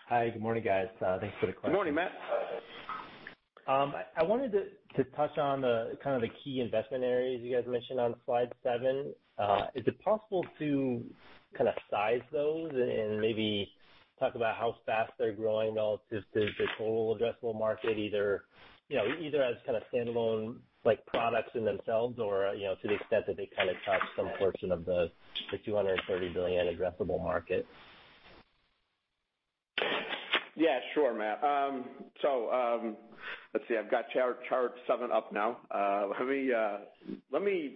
Hi. Good morning, guys. Thanks for the question. Good morning, Matt. I wanted to touch on kind of the key investment areas you guys mentioned on slide seven. Is it possible to kind of size those and maybe talk about how fast they're growing relative to the total addressable market, either as kind of standalone products in themselves or to the extent that they kind of touch some portion of the $230 billion addressable market? Yeah. Sure, Matt. So let's see. I've got chart seven up now. Let me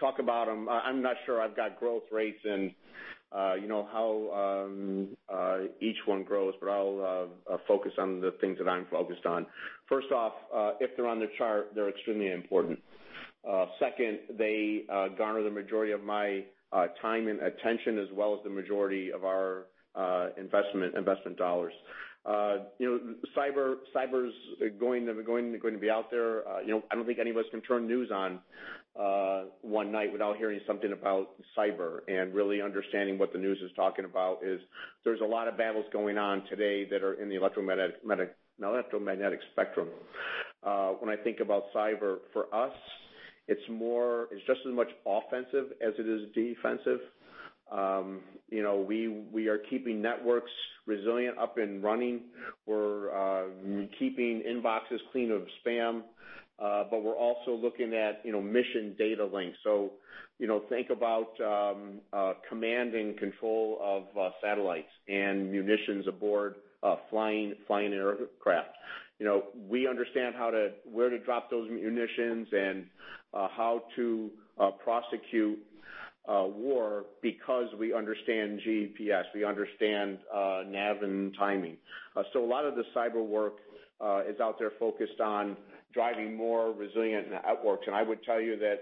talk about them. I'm not sure I've got growth rates and how each one grows, but I'll focus on the things that I'm focused on. First off, if they're on the chart, they're extremely important. Second, they garner the majority of my time and attention as well as the majority of our investment dollars. Cyber's going to be out there. I don't think anybody's going to turn news on one night without hearing something about cyber and really understanding what the news is talking about. There's a lot of battles going on today that are in the electromagnetic spectrum. When I think about cyber, for us, it's just as much offensive as it is defensive. We are keeping networks resilient, up and running. We're keeping inboxes clean of spam. But we're also looking at mission data links. So think about command and control of satellites and munitions aboard flying aircraft. We understand where to drop those munitions and how to prosecute war because we understand GPS. We understand nav and timing. So a lot of the cyber work is out there focused on driving more resilient networks. And I would tell you that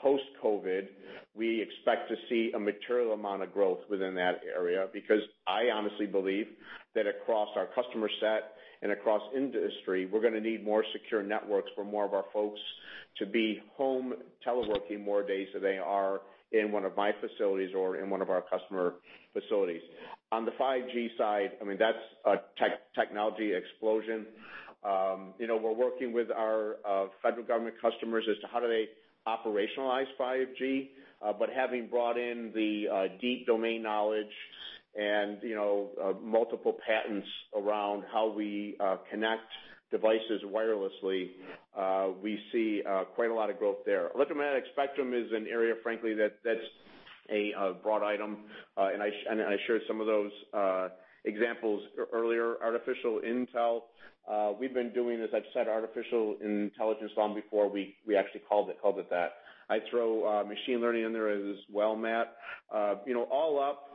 post-COVID, we expect to see a material amount of growth within that area because I honestly believe that across our customer set and across industry, we're going to need more secure networks for more of our folks to be home teleworking more days than they are in one of my facilities or in one of our customer facilities. On the 5G side, I mean, that's a technology explosion. We're working with our federal government customers as to how do they operationalize 5G. But having brought in the deep domain knowledge and multiple patents around how we connect devices wirelessly, we see quite a lot of growth there. Electromagnetic spectrum is an area, frankly, that's a broad item. And I shared some of those examples earlier. Artificial Intelligence. We've been doing this. I've said artificial intelligence long before. We actually called it that. I throw machine learning in there as well, Matt. All up,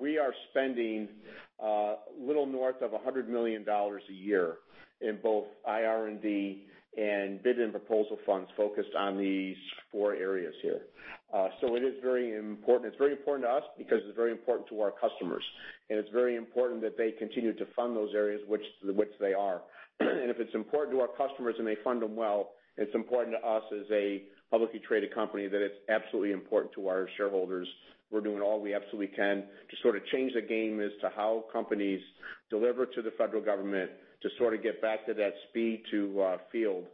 we are spending a little north of $100 million a year in both IR&D and bid and proposal funds focused on these four areas here. So it is very important. It's very important to us because it's very important to our customers. And it's very important that they continue to fund those areas, which they are. And if it's important to our customers and they fund them well, it's important to us as a publicly traded company that it's absolutely important to our shareholders. We're doing all we absolutely can to sort of change the game as to how companies deliver to the federal government to sort of get back to that speed to field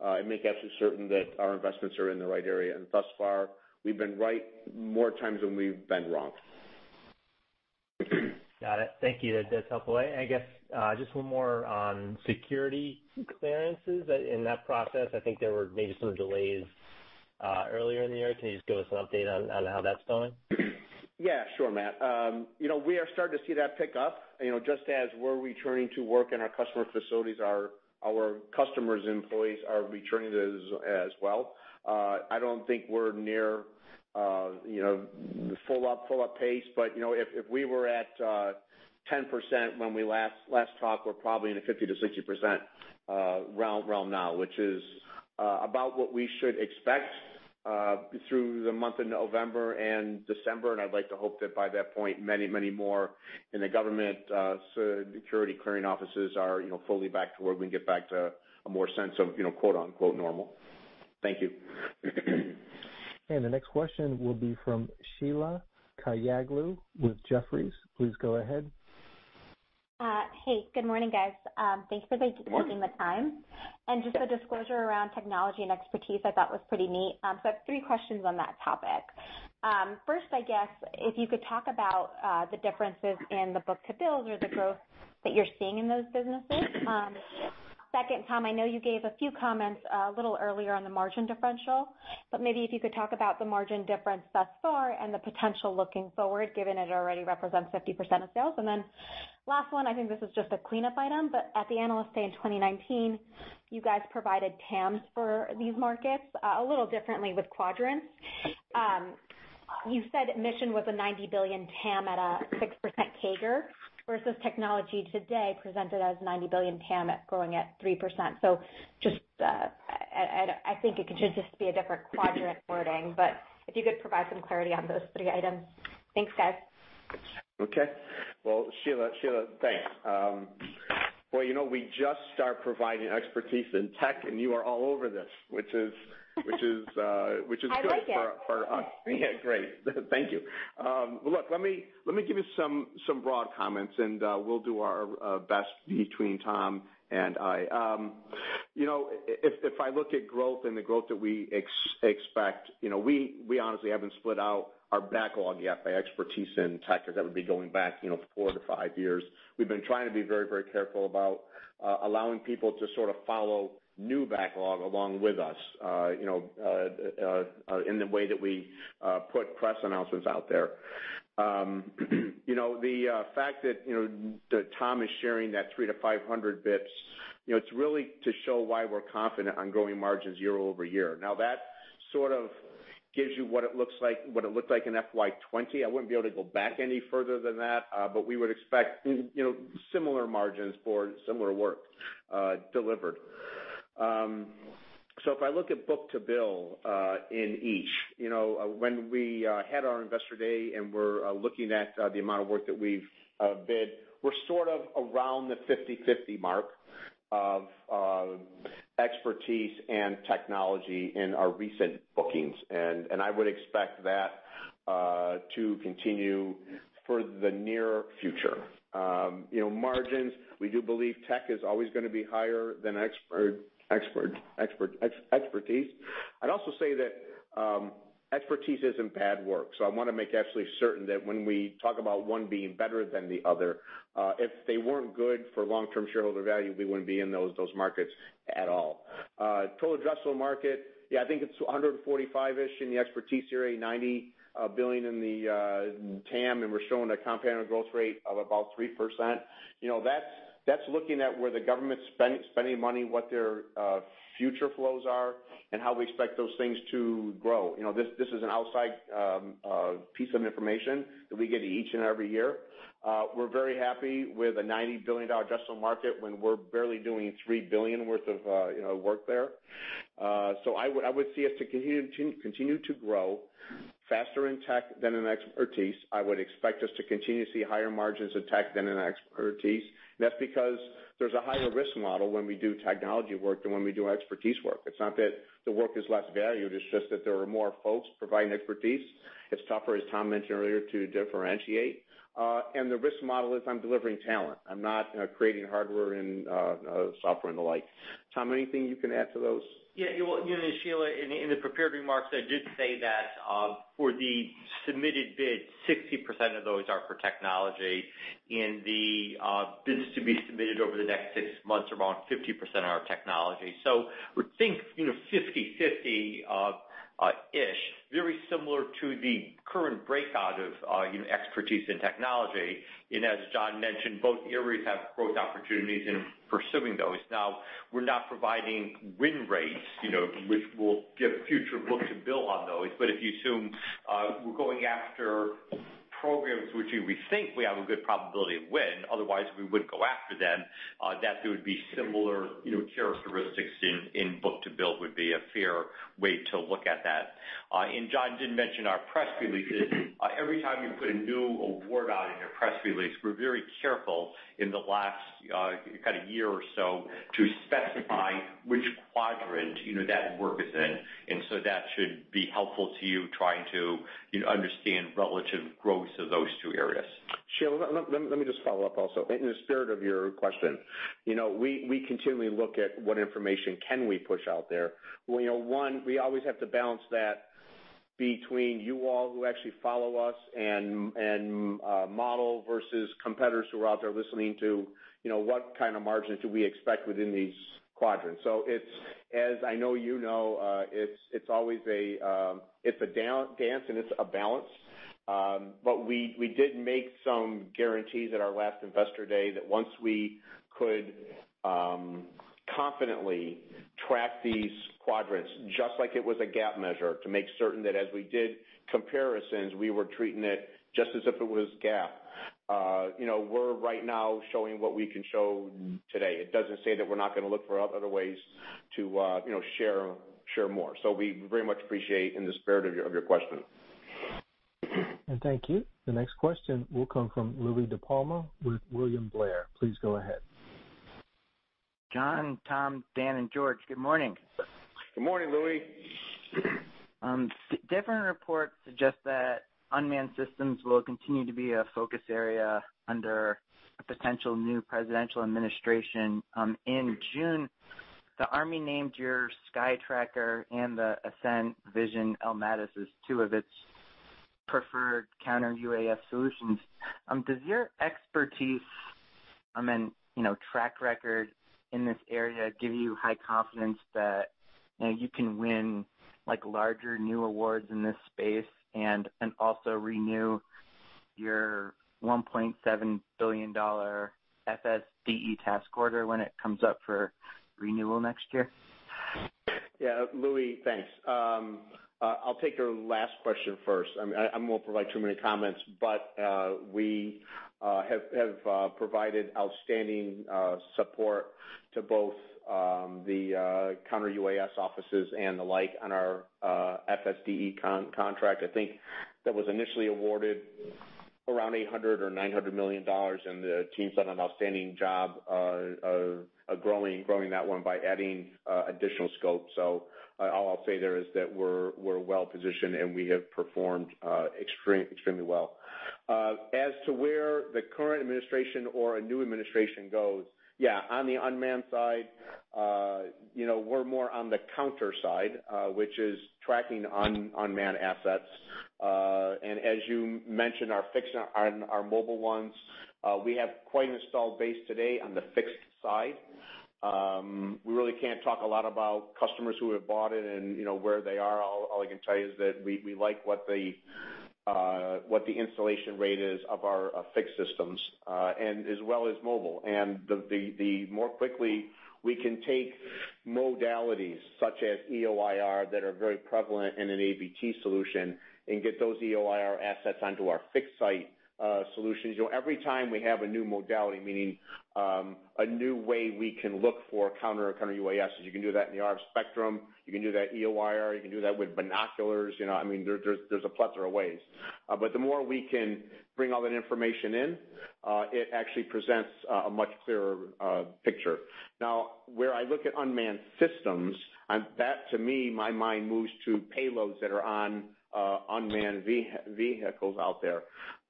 and make absolutely certain that our investments are in the right area. And thus far, we've been right more times than we've been wrong. Got it. Thank you. That's helpful. I guess just one more on security clearances in that process. I think there were maybe some delays earlier in the year. Can you just give us an update on how that's going? Yeah. Sure, Matt. We are starting to see that pick up. Just as we're returning to work in our customer facilities, our customers' employees are returning to those as well. I don't think we're near the full-up pace. But if we were at 10% when we last talked, we're probably in a 50%-60% realm now, which is about what we should expect through the month of November and December. And I'd like to hope that by that point, many, many more in the government security clearing offices are fully back to where we can get back to a more sense of "normal." Thank you. And the next question will be from Sheila Kahyaoglu with Jefferies. Please go ahead. Hey. Good morning, guys. Thanks for taking the time. And just a discussion around technology and expertise, I thought was pretty neat. So I have three questions on that topic. First, I guess, if you could talk about the differences in the book-to-bill or the growth that you're seeing in those businesses. Second, Tom, I know you gave a few comments a little earlier on the margin differential, but maybe if you could talk about the margin difference thus far and the potential looking forward, given it already represents 50% of sales. And then last one, I think this is just a cleanup item, but at the analyst day in 2019, you guys provided TAMs for these markets a little differently with quadrants. You said mission was a $90 billion TAM at a 6% CAGR versus technology today presented as $90 billion TAM growing at 3%. So I think it could just be a different quadrant wording. But if you could provide some clarity on those three items? Thanks, guys. Okay. Well, Sheila, thanks. Boy, we just start providing expertise in tech, and you are all over this, which is good for us. I like it. Yeah. Great. Thank you. Well, look, let me give you some broad comments, and we'll do our best between Tom and I. If I look at growth and the growth that we expect, we honestly haven't split out our backlog yet by expertise in tech because that would be going back four to five years. We've been trying to be very, very careful about allowing people to sort of follow new backlog along with us in the way that we put press announcements out there. The fact that Tom is sharing that 3 to 500 basis points, it's really to show why we're confident on growing margins year over year. Now, that sort of gives you what it looks like, what it looked like in FY 2020. I wouldn't be able to go back any further than that, but we would expect similar margins for similar work delivered. So if I look at book-to-bill in each, when we had our investor day and we're looking at the amount of work that we've bid, we're sort of around the 50/50 mark of expertise and technology in our recent bookings, and I would expect that to continue for the near future. Margins, we do believe tech is always going to be higher than expertise. I'd also say that expertise isn't bad work, so I want to make absolutely certain that when we talk about one being better than the other, if they weren't good for long-term shareholder value, we wouldn't be in those markets at all. Total addressable market, yeah, I think it's $145 billion-ish in the expertise area, $90 billion in the TAM, and we're showing a compound growth rate of about 3%. That's looking at where the government's spending money, what their future flows are, and how we expect those things to grow. This is an outside piece of information that we get each and every year. We're very happy with a $90 billion addressable market when we're barely doing $3 billion worth of work there. So I would see us to continue to grow faster in tech than in expertise. I would expect us to continue to see higher margins in tech than in expertise. And that's because there's a higher risk model when we do technology work than when we do expertise work. It's not that the work is less valued. It's just that there are more folks providing expertise. It's tougher, as Tom mentioned earlier, to differentiate. And the risk model is I'm delivering talent. I'm not creating hardware and software and the like. Tom, anything you can add to those? Yeah. You know, Sheila, in the prepared remarks, I did say that for the submitted bids, 60% of those are for technology. In the bids to be submitted over the next six months, around 50% are technology, so we think 50/50-ish, very similar to the current breakout of expertise and technology, and as John mentioned, both areas have growth opportunities in pursuing those. Now, we're not providing win rates, which will give future book-to-bill on those, but if you assume we're going after programs which we think we have a good probability of winning, otherwise we wouldn't go after them, that there would be similar characteristics in book-to-bill would be a fair way to look at that, and John did mention our press releases. Every time you put a new award out in your press release, we're very careful in the last kind of year or so to specify which quadrant that work is in, and so that should be helpful to you trying to understand relative growth of those two areas. Sheila, let me just follow up also. In the spirit of your question, we continually look at what information can we push out there. One, we always have to balance that between you all who actually follow us and model versus competitors who are out there listening to what kind of margins do we expect within these quadrants. So as I know you know, it's always a dance, and it's a balance. But we did make some guarantees at our last investor day that once we could confidently track these quadrants, just like it was a GAAP measure, to make certain that as we did comparisons, we were treating it just as if it was GAAP. We're right now showing what we can show today. It doesn't say that we're not going to look for other ways to share more. We very much appreciate the spirit of your question. And thank you. The next question will come from Louie DiPalma with William Blair. Please go ahead. John, Tom, Dan, and George, good morning. Good morning, Louie. Different reports suggest that unmanned systems will continue to be a focus area under a potential new presidential administration. In June, the Army named your SkyTracker and the Ascent Vision X-MADIS as two of its preferred counter-UAS solutions. Does your expertise and track record in this area give you high confidence that you can win larger new awards in this space and also renew your $1.7 billion FS/DE task order when it comes up for renewal next year? Yeah. Louis, thanks. I'll take your last question first. I won't provide too many comments, but we have provided outstanding support to both the counter-UAS offices and the like on our FS/DE contract. I think that was initially awarded around $800 million-$900 million, and the team's done an outstanding job of growing that one by adding additional scope. So all I'll say there is that we're well positioned, and we have performed extremely well. As to where the current administration or a new administration goes, yeah, on the unmanned side, we're more on the counter side, which is tracking unmanned assets. And as you mentioned, our mobile ones, we have quite an installed base today on the fixed side. We really can't talk a lot about customers who have bought it and where they are. All I can tell you is that we like what the installation rate is of our fixed systems, as well as mobile, and the more quickly we can take modalities such as EO/IR that are very prevalent in an AVT solution and get those EO/IR assets onto our fixed site solutions. Every time we have a new modality, meaning a new way we can look for counter or counter-UAS, you can do that in the RF spectrum. You can do that EO/IR. You can do that with binoculars. I mean, there's a plethora of ways, but the more we can bring all that information in, it actually presents a much clearer picture. Now, where I look at unmanned systems, that to me, my mind moves to payloads that are on unmanned vehicles out there,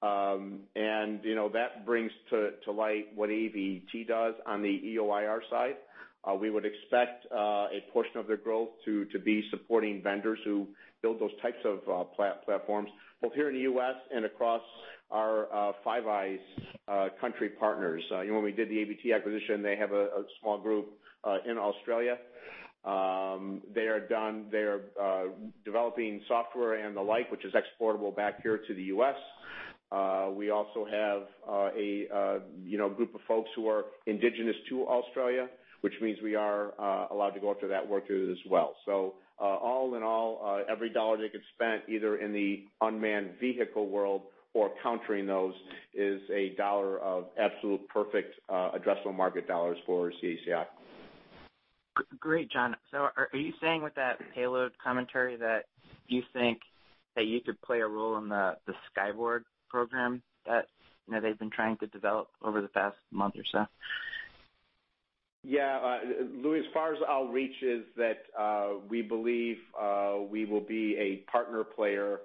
and that brings to light what AVT does on the EO/IR side. We would expect a portion of their growth to be supporting vendors who build those types of platforms, both here in the U.S. and across our Five Eyes country partners. When we did the AVT acquisition, they have a small group in Australia. They are developing software and the like, which is exportable back here to the U.S. We also have a group of folks who are indigenous to Australia, which means we are allowed to go after that work as well. So all in all, every dollar they could spend either in the unmanned vehicle world or countering those is a dollar of absolute perfect addressable market dollars for CACI. Great, John. So are you saying with that payload commentary that you think that you could play a role in the Skyborg program that they've been trying to develop over the past month or so? Yeah. Louie, as far as our reach is, that we believe we will be a partner player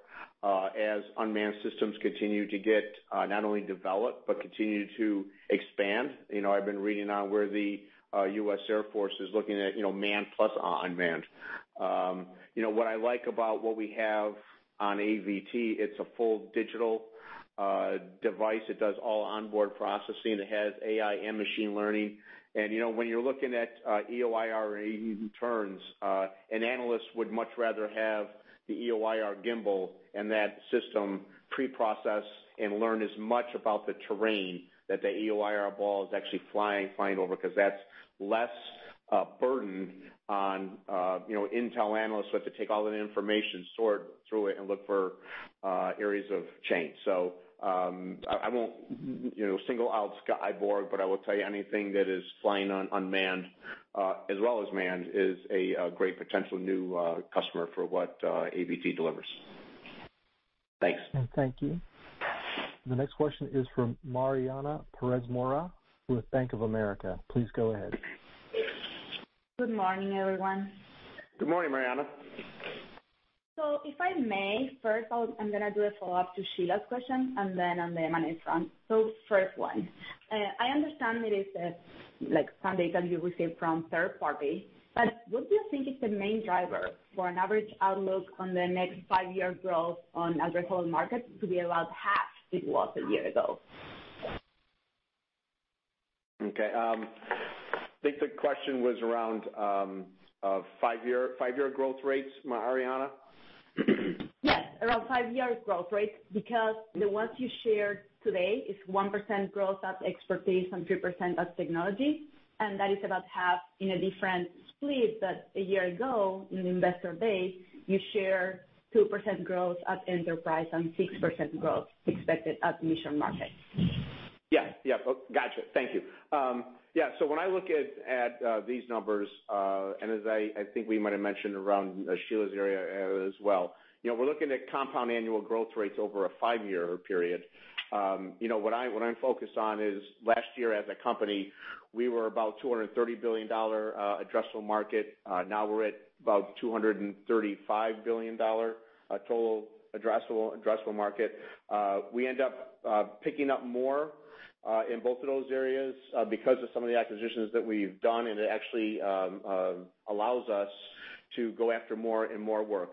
as unmanned systems continue to get not only developed, but continue to expand. I've been reading on where the U.S. Air Force is looking at manned plus unmanned. What I like about what we have on AVT, it's a full digital device. It does all onboard processing. It has AI and machine learning. And when you're looking at EO/IR and AVT turns, an analyst would much rather have the EO/IR gimbal and that system preprocess and learn as much about the terrain that the EO/IR ball is actually flying over because that's less burden on intel analysts who have to take all that information, sort through it, and look for areas of change. So I won't single out Skyborg, but I will tell you anything that is flying on unmanned as well as manned is a great potential new customer for what AVT delivers. Thanks. Thank you. The next question is from Mariana Pérez Mora with Bank of America. Please go ahead. Good morning, everyone. Good morning, Mariana. So if I may, first, I'm going to do a follow-up to Sheila's question and then on the M&A front. So first one, I understand it is some data you received from third-party, but what do you think is the main driver for an average outlook on the next five-year growth on addressable markets to be about half it was a year ago? Okay. I think the question was around five-year growth rates, Mariana? Yes, around five-year growth rates because the ones you shared today is 1% growth at expertise and 3% at technology. And that is about half in a different split that a year ago in the Investor Day, you share 2% growth at enterprise and 6% growth expected at mission market. Yeah. Yeah. Gotcha. Thank you. Yeah. So when I look at these numbers, and as I think we might have mentioned around Sheila's area as well, we're looking at compound annual growth rates over a five-year period. What I'm focused on is last year as a company, we were about $230 billion addressable market. Now we're at about $235 billion total addressable market. We end up picking up more in both of those areas because of some of the acquisitions that we've done, and it actually allows us to go after more and more work.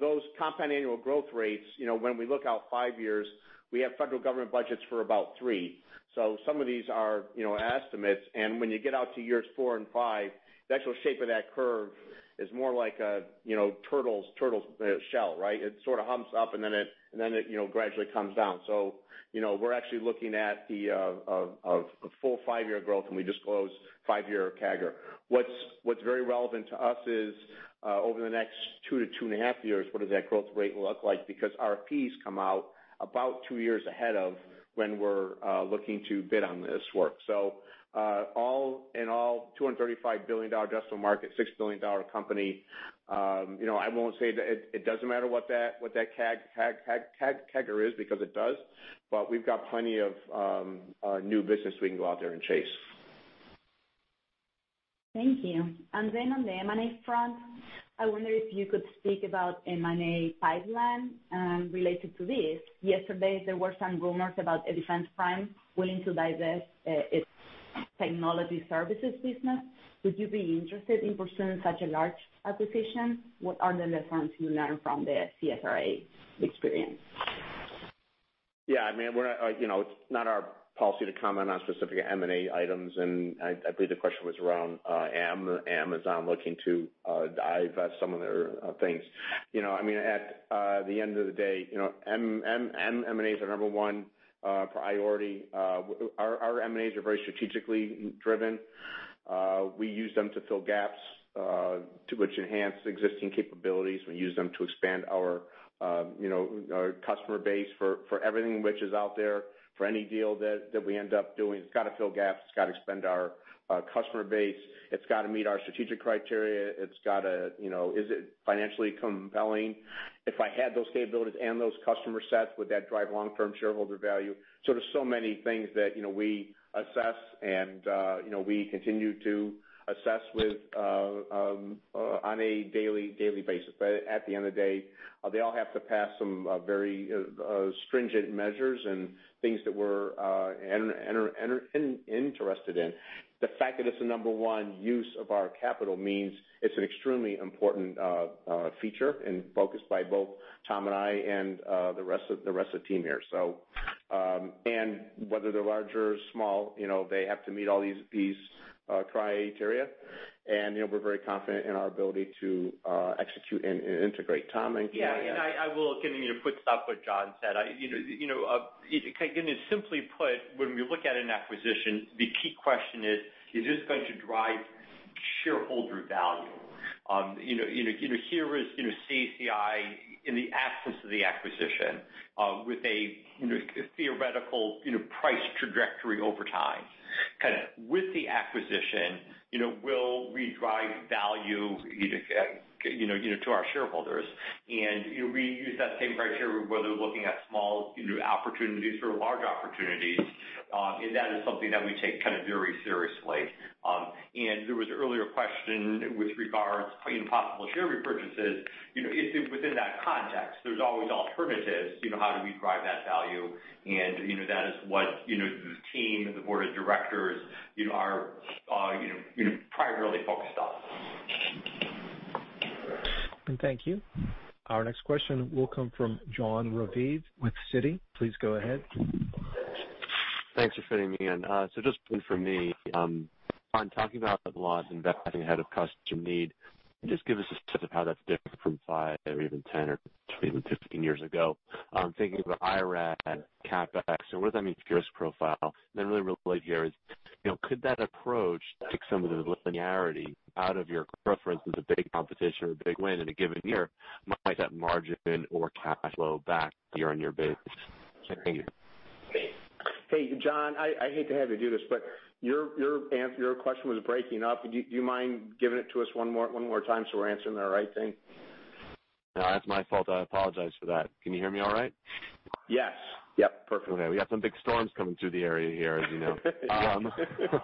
Those compound annual growth rates, when we look out five years, we have federal government budgets for about three. So some of these are estimates. And when you get out to years four and five, the actual shape of that curve is more like a turtle's shell, right? It sort of humps up, and then it gradually comes down. So we're actually looking at the full five-year growth, and we disclose five-year CAGR. What's very relevant to us is over the next two to two and a half years, what does that growth rate look like? Because our fees come out about two years ahead of when we're looking to bid on this work. So in all, $235 billion addressable market, $6 billion company. I won't say that it doesn't matter what that CAGR is because it does, but we've got plenty of new business we can go out there and chase. Thank you. And then on the M&A front, I wonder if you could speak about M&A pipeline related to this. Yesterday, there were some rumors about a defense firm willing to divest its technology services business. Would you be interested in pursuing such a large acquisition? What are the lessons you learned from the CSRA experience? Yeah. I mean, it's not our policy to comment on specific M&A items. And I believe the question was around a major looking to divest some of their things. I mean, at the end of the day, M&A is our number one priority. Our M&As are very strategically driven. We use them to fill gaps that enhance existing capabilities. We use them to expand our customer base for everything which is out there. For any deal that we end up doing, it's got to fill gaps. It's got to expand our customer base. It's got to meet our strategic criteria. It's got to, is it financially compelling? If I had those capabilities and those customer sets, would that drive long-term shareholder value? So there's so many things that we assess, and we continue to assess on a daily basis. But at the end of the day, they all have to pass some very stringent measures and things that we're interested in. The fact that it's the number one use of our capital means it's an extremely important feature and focus by both Tom and I and the rest of the team here, so and whether they're large or small, they have to meet all these criteria, and we're very confident in our ability to execute and integrate. Tom, anything to add? Yeah, and I will continue to build on what John said. Again, simply put, when we look at an acquisition, the key question is, is this going to drive shareholder value? Here is CACI in the absence of the acquisition with a theoretical price trajectory over time. With the acquisition, will we drive value to our shareholders? And we use that same criteria whether looking at small opportunities or large opportunities. And that is something that we take kind of very seriously. And there was an earlier question with regards to possible share repurchases. Within that context, there's always alternatives. How do we drive that value? And that is what the team and the board of directors are primarily focused on. Thank you. Our next question will come from Jon Raviv with Citi. Please go ahead. Thanks for fitting me in. So just for me, I'm talking about a lot of investing ahead of customer need. Just give us a sense of how that's different from five or even 10 or even 15 years ago. Thinking about IR&D and CapEx, and what does that mean for your risk profile? And then really relate here is, could that approach take some of the linearity out of your growth, for instance, a big competition or a big win in a given year? Might that margin or cash flow back to your year-end year base? Thank you. Hey, Jon, I hate to have you do this, but your question was breaking up. Do you mind giving it to us one more time so we're answering the right thing? That's my fault. I apologize for that. Can you hear me all right? Yes. Yep. Perfect. Okay. We got some big storms coming through the area here, as you know.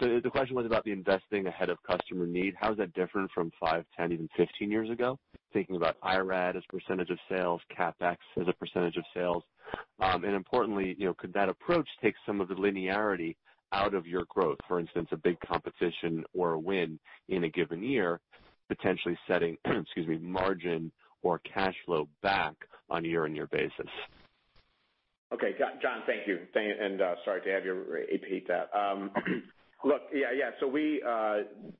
So the question was about the investing ahead of customer need. How is that different from five, 10, even 15 years ago? Thinking about IR&D as a percentage of sales, CapEx as a percentage of sales. And importantly, could that approach take some of the linearity out of your growth? For instance, a big competition or a win in a given year, potentially setting, excuse me, margin or cash flow back on year-end year basis. Okay. Jon, thank you. And sorry to have you repeat that. Look, yeah, yeah. So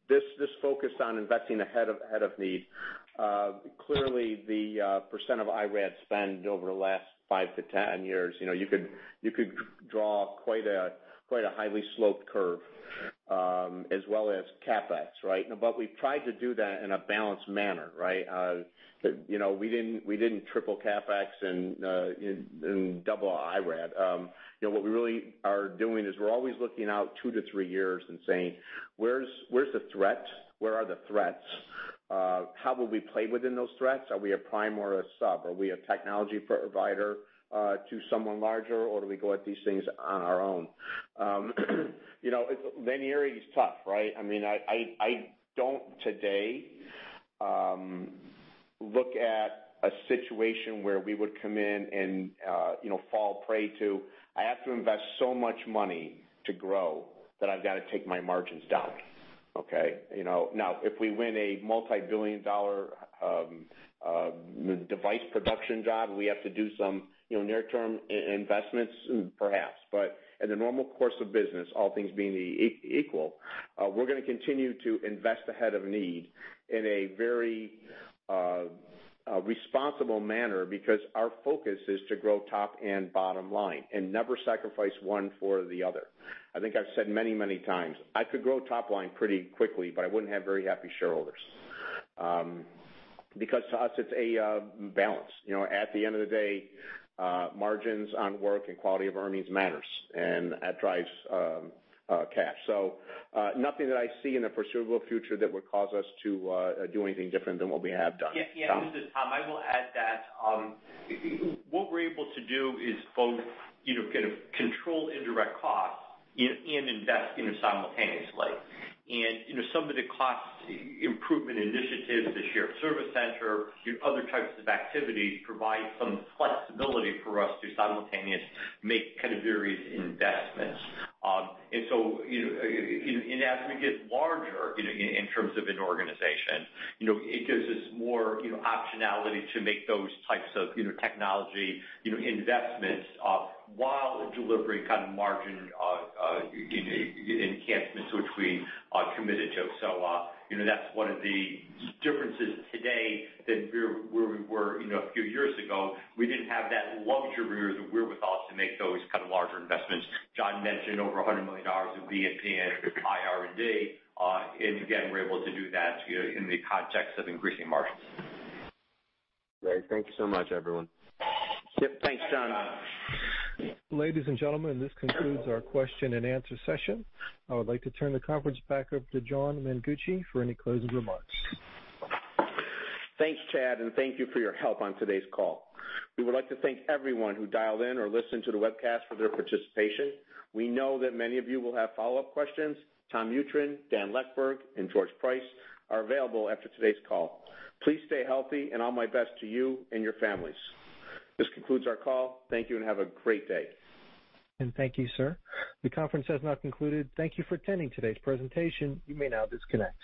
this focus on investing ahead of need, clearly the percent of IR&D spend over the last five to 10 years, you could draw quite a highly sloped curve as well as CapEx, right? But we've tried to do that in a balanced manner, right? We didn't triple CapEx and double IR&D. What we really are doing is we're always looking out two to three years and saying, where's the threat? Where are the threats? How will we play within those threats? Are we a prime or a sub? Are we a technology provider to someone larger, or do we go at these things on our own? Linearity is tough, right? I mean, I don't today look at a situation where we would come in and fall prey to, I have to invest so much money to grow that I've got to take my margins down, okay? Now, if we win a $ multi-billion-dollar device production job, we have to do some near-term investments, perhaps. But in the normal course of business, all things being equal, we're going to continue to invest ahead of need in a very responsible manner because our focus is to grow top and bottom line and never sacrifice one for the other. I think I've said many, many times, I could grow top line pretty quickly, but I wouldn't have very happy shareholders. Because to us, it's a balance. At the end of the day, margins on work and quality of earnings matters, and that drives cash. Nothing that I see in the foreseeable future that would cause us to do anything different than what we have done. Yeah. Yeah. This is Tom. I will add that what we're able to do is both kind of control indirect costs and invest in it simultaneously, and some of the cost improvement initiatives, the shared service center, other types of activities provide some flexibility for us to simultaneously make kind of various investments, and so as we get larger in terms of an organization, it gives us more optionality to make those types of technology investments while delivering kind of margin enhancements which we are committed to, so that's one of the differences today than where we were a few years ago. We didn't have that luxury or the wherewithal to make those kind of larger investments. John mentioned over $100 million in B&P and IR&D, and again, we're able to do that in the context of increasing margins. Great. Thank you so much, everyone. Yep. Thanks, Jon. Ladies and gentlemen, this concludes our question and answer session. I would like to turn the conference back over to John Mengucci for any closing remarks. Thanks, Chad, and thank you for your help on today's call. We would like to thank everyone who dialed in or listened to the webcast for their participation. We know that many of you will have follow-up questions. Tom Mutryn, Dan Leckberg, and George Price are available after today's call. Please stay healthy, and all my best to you and your families. This concludes our call. Thank you, and have a great day. Thank you, sir. The conference has now concluded. Thank you for attending today's presentation. You may now disconnect.